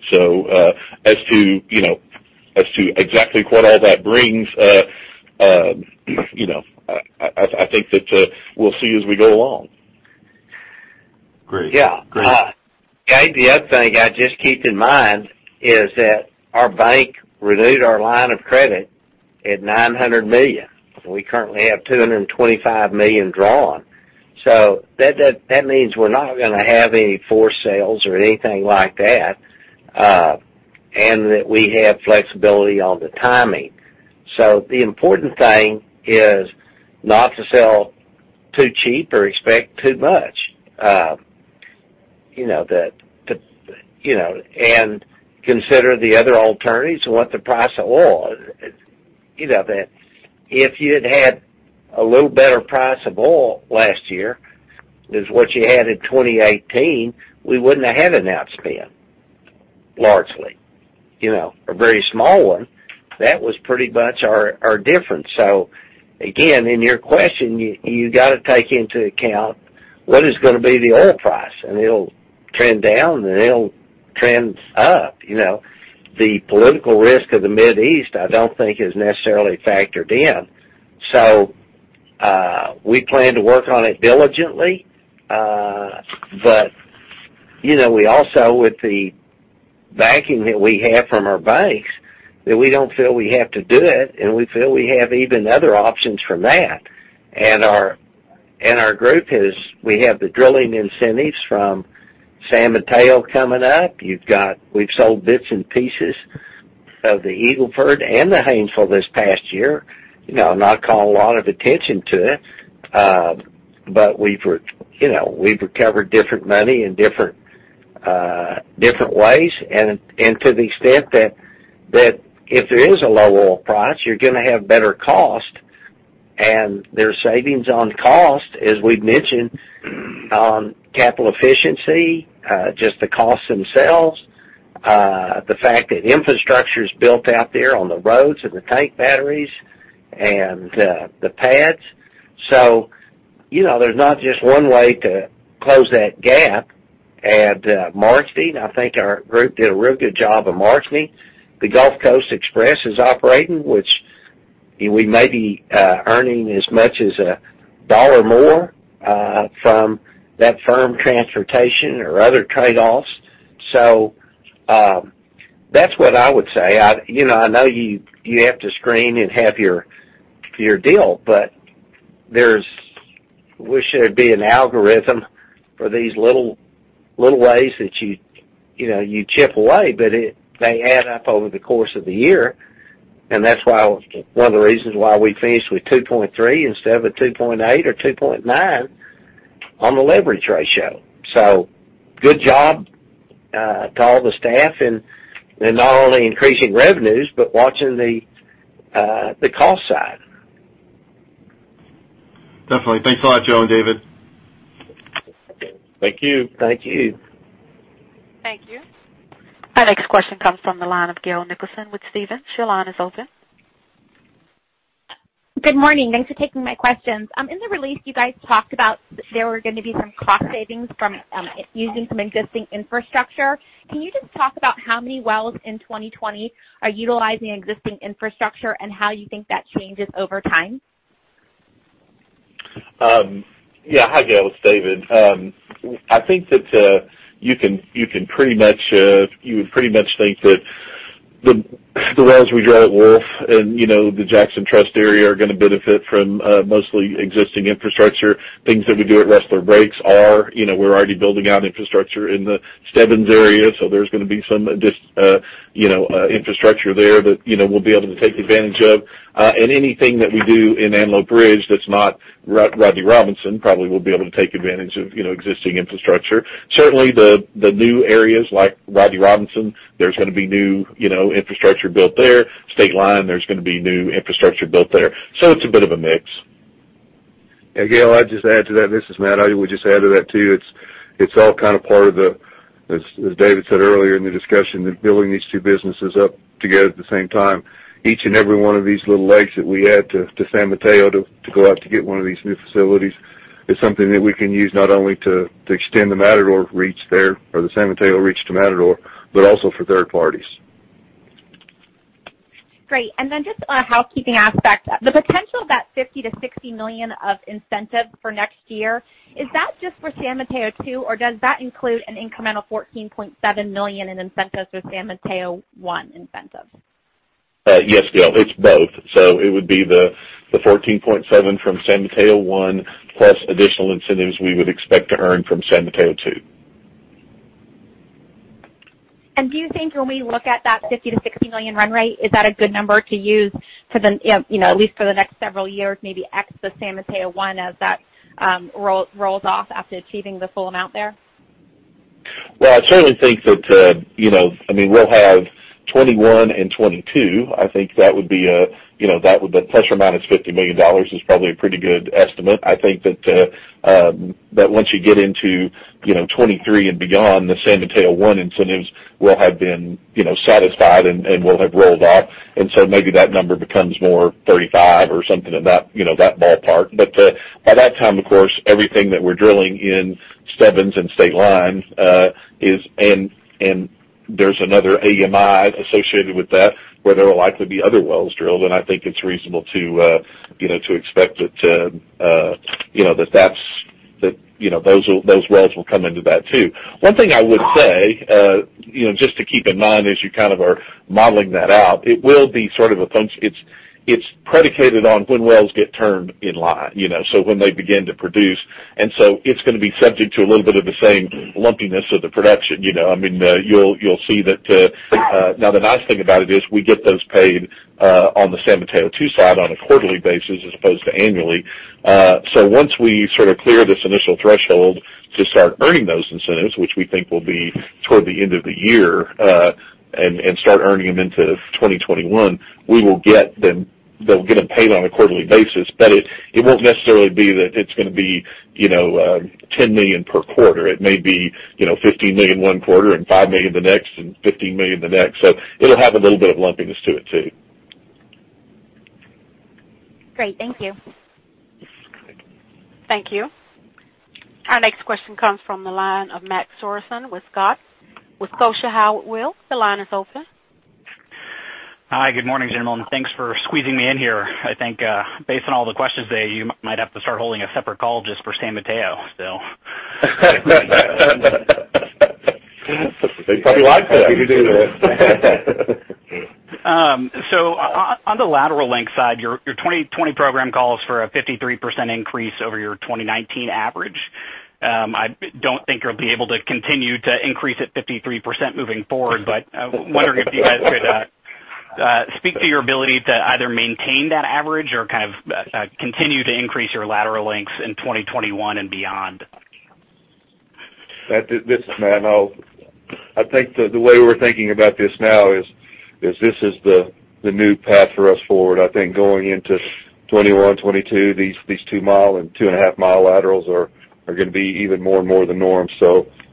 As to exactly what all that brings, I think that we'll see as we go along. Great. Yeah. Great. Gabe, the other thing I just keep in mind is that our bank renewed our line of credit at $900 million. We currently have $225 million drawn. That means we're not going to have any forced sales or anything like that, and that we have flexibility on the timing. The important thing is not to sell too cheap or expect too much, and consider the other alternatives. If you'd had a little better price of oil last year than what you had in 2018, we wouldn't have had an outspend, largely. A very small one. That was pretty much our difference. Again, in your question, you got to take into account what is going to be the oil price, and it'll trend down, and it'll trend up. The political risk of the Mid East, I don't think is necessarily factored in. We plan to work on it diligently. We also, with the backing that we have from our banks, that we don't feel we have to do it, and we feel we have even other options from that. In our group, we have the drilling incentives from San Mateo coming up. We've sold bits and pieces of the Eagle Ford and the Haynesville this past year. Not calling a lot of attention to it, but we've recovered different money in different ways, and to the extent that if there is a low oil price, you're going to have better cost, and there's savings on cost, as we've mentioned on capital efficiency, just the costs themselves, the fact that infrastructure's built out there on the roads and the tank batteries and the pads. There's not just one way to close that gap and margin. I think our group did a real good job of margining. The Gulf Coast Express is operating, which we may be earning as much as $1 more from that firm transportation or other trade-offs. That's what I would say. I know you have to screen and have your deal, but I wish there'd be an algorithm for these little ways that you chip away, but they add up over the course of the year, and that's one of the reasons why we finished with 2.3 instead of a 2.8 or 2.9 on the leverage ratio. Good job to all the staff in not only increasing revenues, but watching the cost side. Definitely. Thanks a lot, Joe and David. Thank you. Thank you. Thank you. Our next question comes from the line of Gail Nicholson with Stephens. Your line is open. Good morning. Thanks for taking my questions. In the release, you guys talked about there were going to be some cost savings from using some existing infrastructure. Can you just talk about how many wells in 2020 are utilizing existing infrastructure, and how you think that changes over time? Hi, Gail. It's David. I think that you would pretty much think that the wells we drill at Wolf and the Jackson Trust area are going to benefit from mostly existing infrastructure. Things that we do at Rustler Breaks are, we're already building out infrastructure in the Stebbins area, so there's going to be some infrastructure there that we'll be able to take advantage of. Anything that we do in Antelope Ridge that's not Rodney Robinson probably will be able to take advantage of existing infrastructure. Certainly the new areas like Rodney Robinson, there's going to be new infrastructure built there. Stateline, there's going to be new infrastructure built there. It's a bit of a mix. Gail, I'd just add to that. This is Matt. I would just add to that, too. It's all part of the, as David said earlier in the discussion, that building these two businesses up together at the same time. Each and every one of these little legs that we add to San Mateo to go out to get one of these new facilities is something that we can use not only to extend the Matador reach there, or the San Mateo reach to Matador, but also for third parties. Great. Just a housekeeping aspect. The potential of that $50 to $60 million of incentive for next year, is that just for San Mateo II, or does that include an incremental $14.7 million in incentives for San Mateo I incentives? Yes, Gail, it's both. It would be the $14.7 from San Mateo I plus additional incentives we would expect to earn from San Mateo II. Do you think when we look at that $50 million-$60 million run rate, is that a good number to use at least for the next several years, maybe X the San Mateo I as that rolls off after achieving the full amount there? Well, I certainly think that we'll have 2021 and 2022. I think that threshold amount of $50 million is probably a pretty good estimate. I think that once you get into 2023 and beyond, the San Mateo I incentives will have been satisfied and will have rolled off. Maybe that number becomes more 35 or something in that ballpark. By that time, of course, everything that we're drilling in Stebbins and Stateline, and there's another AMI associated with that where there will likely be other wells drilled. I think it's reasonable to expect that those wells will come into that, too. One thing I would say, just to keep in mind as you are modeling that out, it's predicated on when wells get turned in line, so when they begin to produce. It's going to be subject to a little bit of the same lumpiness of the production. The nice thing about it is we get those paid on the San Mateo II side on a quarterly basis as opposed to annually. Once we sort of clear this initial threshold to start earning those incentives, which we think will be toward the end of the year, and start earning them into 2021, they'll get them paid on a quarterly basis. It won't necessarily be that it's going to be $10 million per quarter. It may be $15 million one quarter and $5 million the next, and $15 million the next. It'll have a little bit of lumpiness to it, too. Great. Thank you. Thank you. Our next question comes from the line of Matt Sorenson with Scotia Howard Weil. The line is open. Hi. Good morning, gentlemen. Thanks for squeezing me in here. I think based on all the questions today, you might have to start holding a separate call just for San Mateo still. They probably like that. Happy to do it. On the lateral length side, your 2020 program calls for a 53% increase over your 2019 average. I don't think you'll be able to continue to increase at 53% moving forward. Wondering if you guys could speak to your ability to either maintain that average or continue to increase your lateral lengths in 2021 and beyond. Matt, this is Matt. I think the way we're thinking about this now is this is the new path for us forward. I think going into 2021, 2022, these 2 mi and 2.5 Mi laterals are going to be even more and more the norm.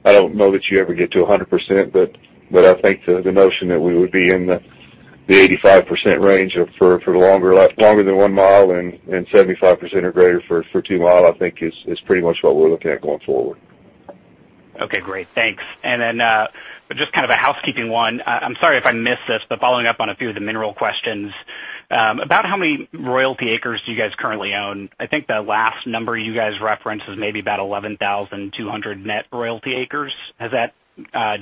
I don't know that you ever get to 100%, but I think the notion that we would be in the. The 85% range for longer than 1 mi and 75% or greater for 2 mi, I think is pretty much what we're looking at going forward. Okay, great. Thanks. Then, just a housekeeping one. I'm sorry if I missed this, following up on a few of the mineral questions, about how many royalty acres do you guys currently own? I think the last number you guys referenced was maybe about 11,200 net royalty acres. Has that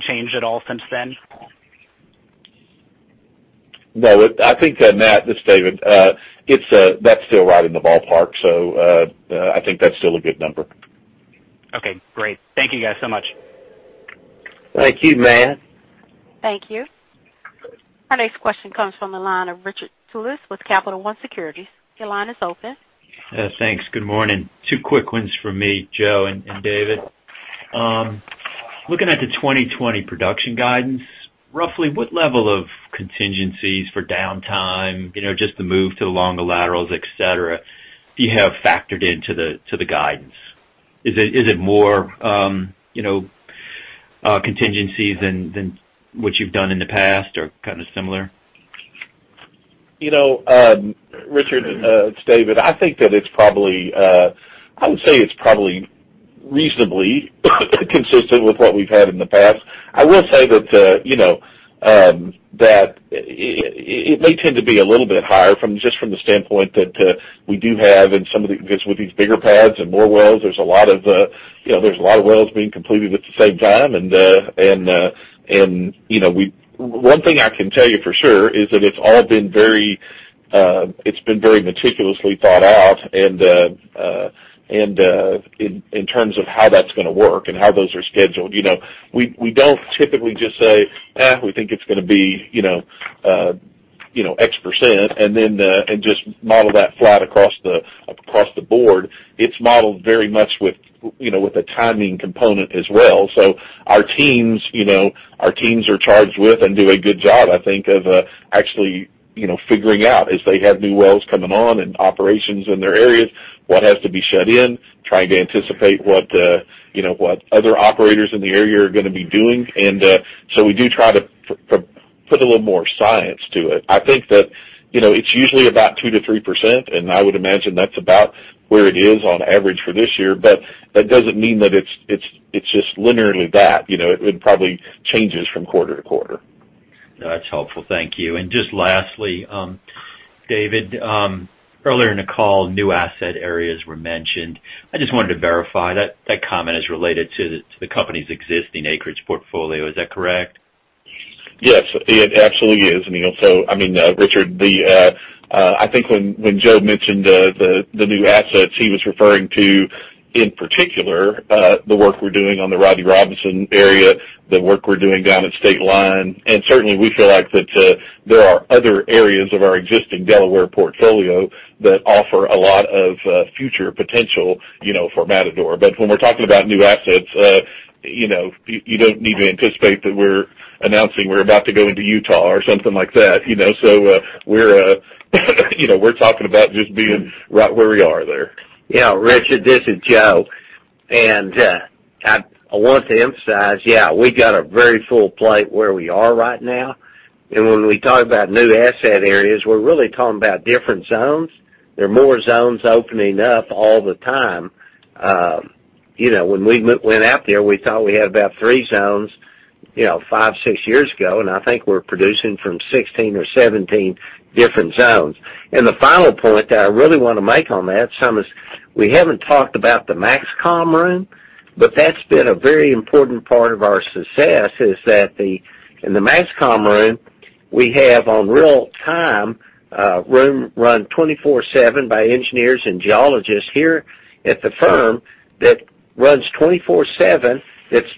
changed at all since then? No. I think, Matt, this is David, that's still right in the ballpark. I think that's still a good number. Okay, great. Thank you guys so much. Thank you, Matt. Thank you. Our next question comes from the line of Richard Tullis with Capital One Securities. Your line is open. Thanks. Good morning. Two quick ones from me, Joe and David. Looking at the 2020 production guidance, roughly what level of contingencies for downtime, just the move to the longer laterals, et cetera, do you have factored into the guidance? Is it more contingencies than what you've done in the past or kind of similar? Richard, it's David. I think that I would say it's probably reasonably consistent with what we've had in the past. I will say that it may tend to be a little bit higher just from the standpoint that we do have, and some of it because with these bigger pads and more wells, there's a lot of wells being completed at the same time. One thing I can tell you for sure is that it's all been very meticulously thought out, and in terms of how that's going to work and how those are scheduled. We don't typically just say, "Eh, we think it's going to be X percent," and just model that flat across the board. It's modeled very much with a timing component as well. Our teams are charged with, and do a good job, I think, of actually figuring out, as they have new wells coming on and operations in their areas, what has to be shut in, trying to anticipate what other operators in the area are going to be doing. We do try to put a little more science to it. I think that it's usually about 2%-3%, and I would imagine that's about where it is on average for this year. That doesn't mean that it's just linearly that. It probably changes from quarter to quarter. That's helpful. Thank you. Just lastly, David, earlier in the call, new asset areas were mentioned. I just wanted to verify. That comment is related to the company's existing acreage portfolio. Is that correct? Yes, it absolutely is, Neal. I mean, Richard, I think when Joe mentioned the new assets he was referring to, in particular, the work we're doing on the Rodney Robinson area, the work we're doing down at Stateline, and certainly we feel like that there are other areas of our existing Delaware portfolio that offer a lot of future potential for Matador. When we're talking about new assets, you don't need to anticipate that we're announcing we're about to go into Utah or something like that. We're talking about just being right where we are there. Yeah, Richard, this is Joe. I want to emphasize. We got a very full plate where we are right now. When we talk about new asset areas, we're really talking about different zones. There are more zones opening up all the time. When we went out there, we thought we had about three zones, five, six years ago. I think we're producing from 16 or 17 different zones. The final point that I really want to make on that, is we haven't talked about the MAXCOM room, but that's been a very important part of our success is that in the MAXCOM room, we have on real time, run 24/7 by engineers and geologists here at the firm that runs 24/7, that's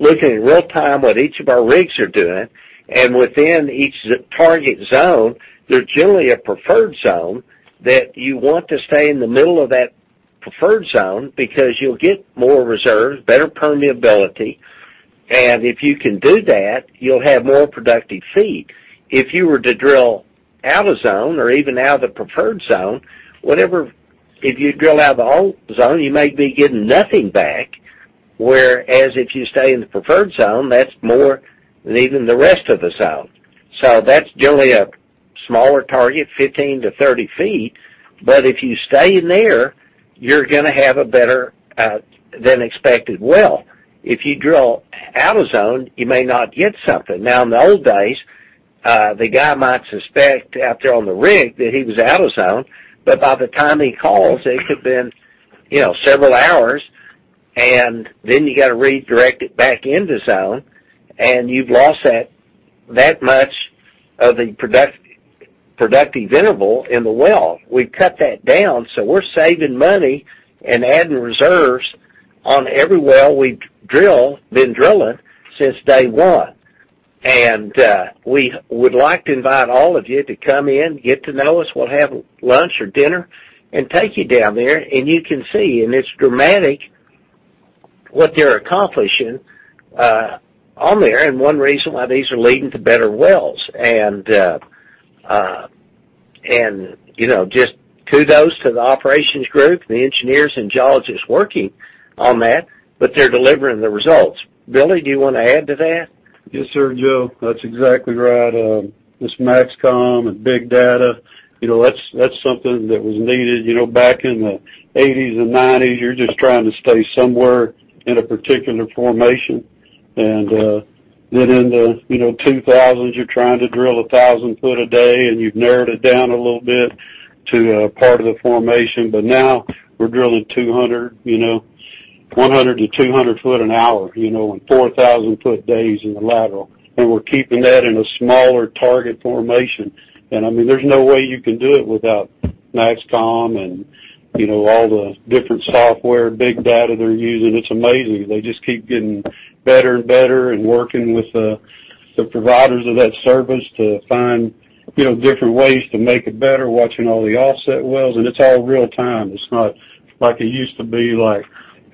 looking in real time what each of our rigs are doing. Within each target zone, there's generally a preferred zone that you want to stay in the middle of that preferred zone because you'll get more reserves, better permeability. If you can do that, you'll have more productive feet. If you were to drill out of zone or even out of the preferred zone, if you drill out whole zone, you may be getting nothing back, whereas if you stay in the preferred zone, that's more than even the rest of the zone. That's generally a smaller target, 15-30 ft, but if you stay in there, you're going to have a better than expected well. If you drill out of zone, you may not get something. In the old days, the guy might suspect out there on the rig that he was out of zone, but by the time he calls, it could've been several hours, you got to redirect it back into zone, you've lost that much of the productive interval in the well. We've cut that down, we're saving money and adding reserves on every well we've been drilling since day one. We would like to invite all of you to come in, get to know us. We'll have lunch or dinner, take you down there, you can see. It's dramatic what they're accomplishing on there and one reason why these are leading to better wells. Just kudos to the operations group, the engineers and geologists working on that, they're delivering the results. Billy, do you want to add to that? Yes, sir, Joe. That's exactly right. This MAXCOM and big data, that's something that was needed back in the '80s and '90s. You're just trying to stay somewhere in a particular formation. In the 2000s, you're trying to drill 1,000 ft a day, and you've narrowed it down a little bit to a part of the formation. Now we're drilling 100-200 ft an hour, and 4,000 ft days in the lateral, and we're keeping that in a smaller target formation. There's no way you can do it without MAXCOM and all the different software, big data they're using. It's amazing. They just keep getting better and better and working with the providers of that service to find different ways to make it better, watching all the offset wells, and it's all real time. It's not like it used to be, like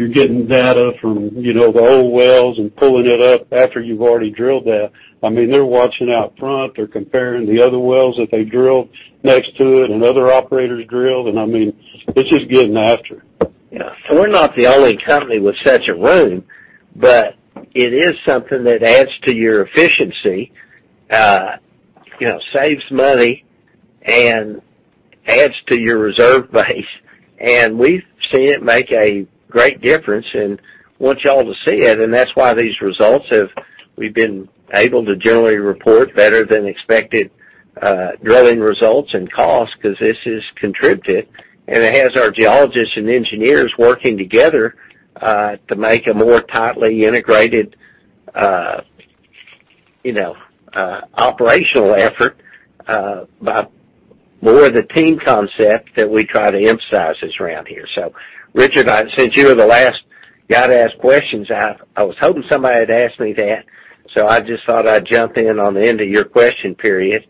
you're getting data from the old wells and pulling it up after you've already drilled that. They're watching out front. They're comparing the other wells that they drill next to it and other operators drill. It's just getting after it. Yeah. We're not the only company with such a room, but it is something that adds to your efficiency, saves money and adds to your reserve base. We've seen it make a great difference and want you all to see it. That's why these results we've been able to generally report better than expected drilling results and costs because this has contributed, and it has our geologists and engineers working together to make a more tightly integrated operational effort by more of the team concept that we try to emphasize that's around here. Richard, since you were the last guy to ask questions, I was hoping somebody would ask me that. I just thought I'd jump in on the end of your question period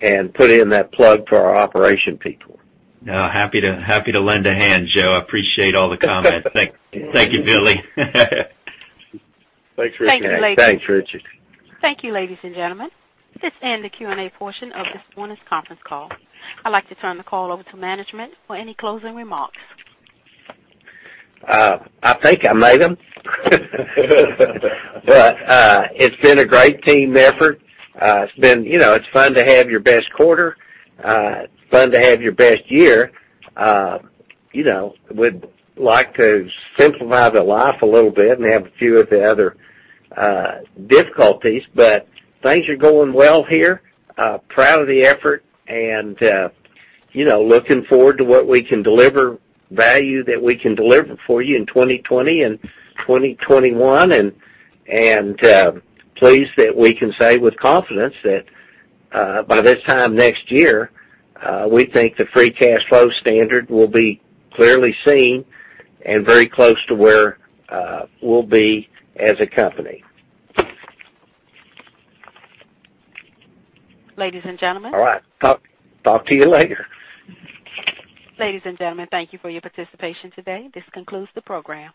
and put in that plug for our operation people. No, happy to lend a hand, Joe. I appreciate all the comments. Thank you, Billy. Thanks, Richard. Thanks, Richard. Thank you, ladies and gentlemen. This ends the Q&A portion of this morning's conference call. I'd like to turn the call over to management for any closing remarks. I think I made them. It's been a great team effort. It's fun to have your best quarter, fun to have your best year. Would like to simplify the life a little bit and have a few of the other difficulties. Things are going well here. Proud of the effort and looking forward to what we can deliver, value that we can deliver for you in 2020 and 2021, and pleased that we can say with confidence that by this time next year, we think the free cash flow standard will be clearly seen and very close to where we'll be as a company. Ladies and gentlemen. All right, talk to you later. Ladies and gentlemen, thank you for your participation today. This concludes the program.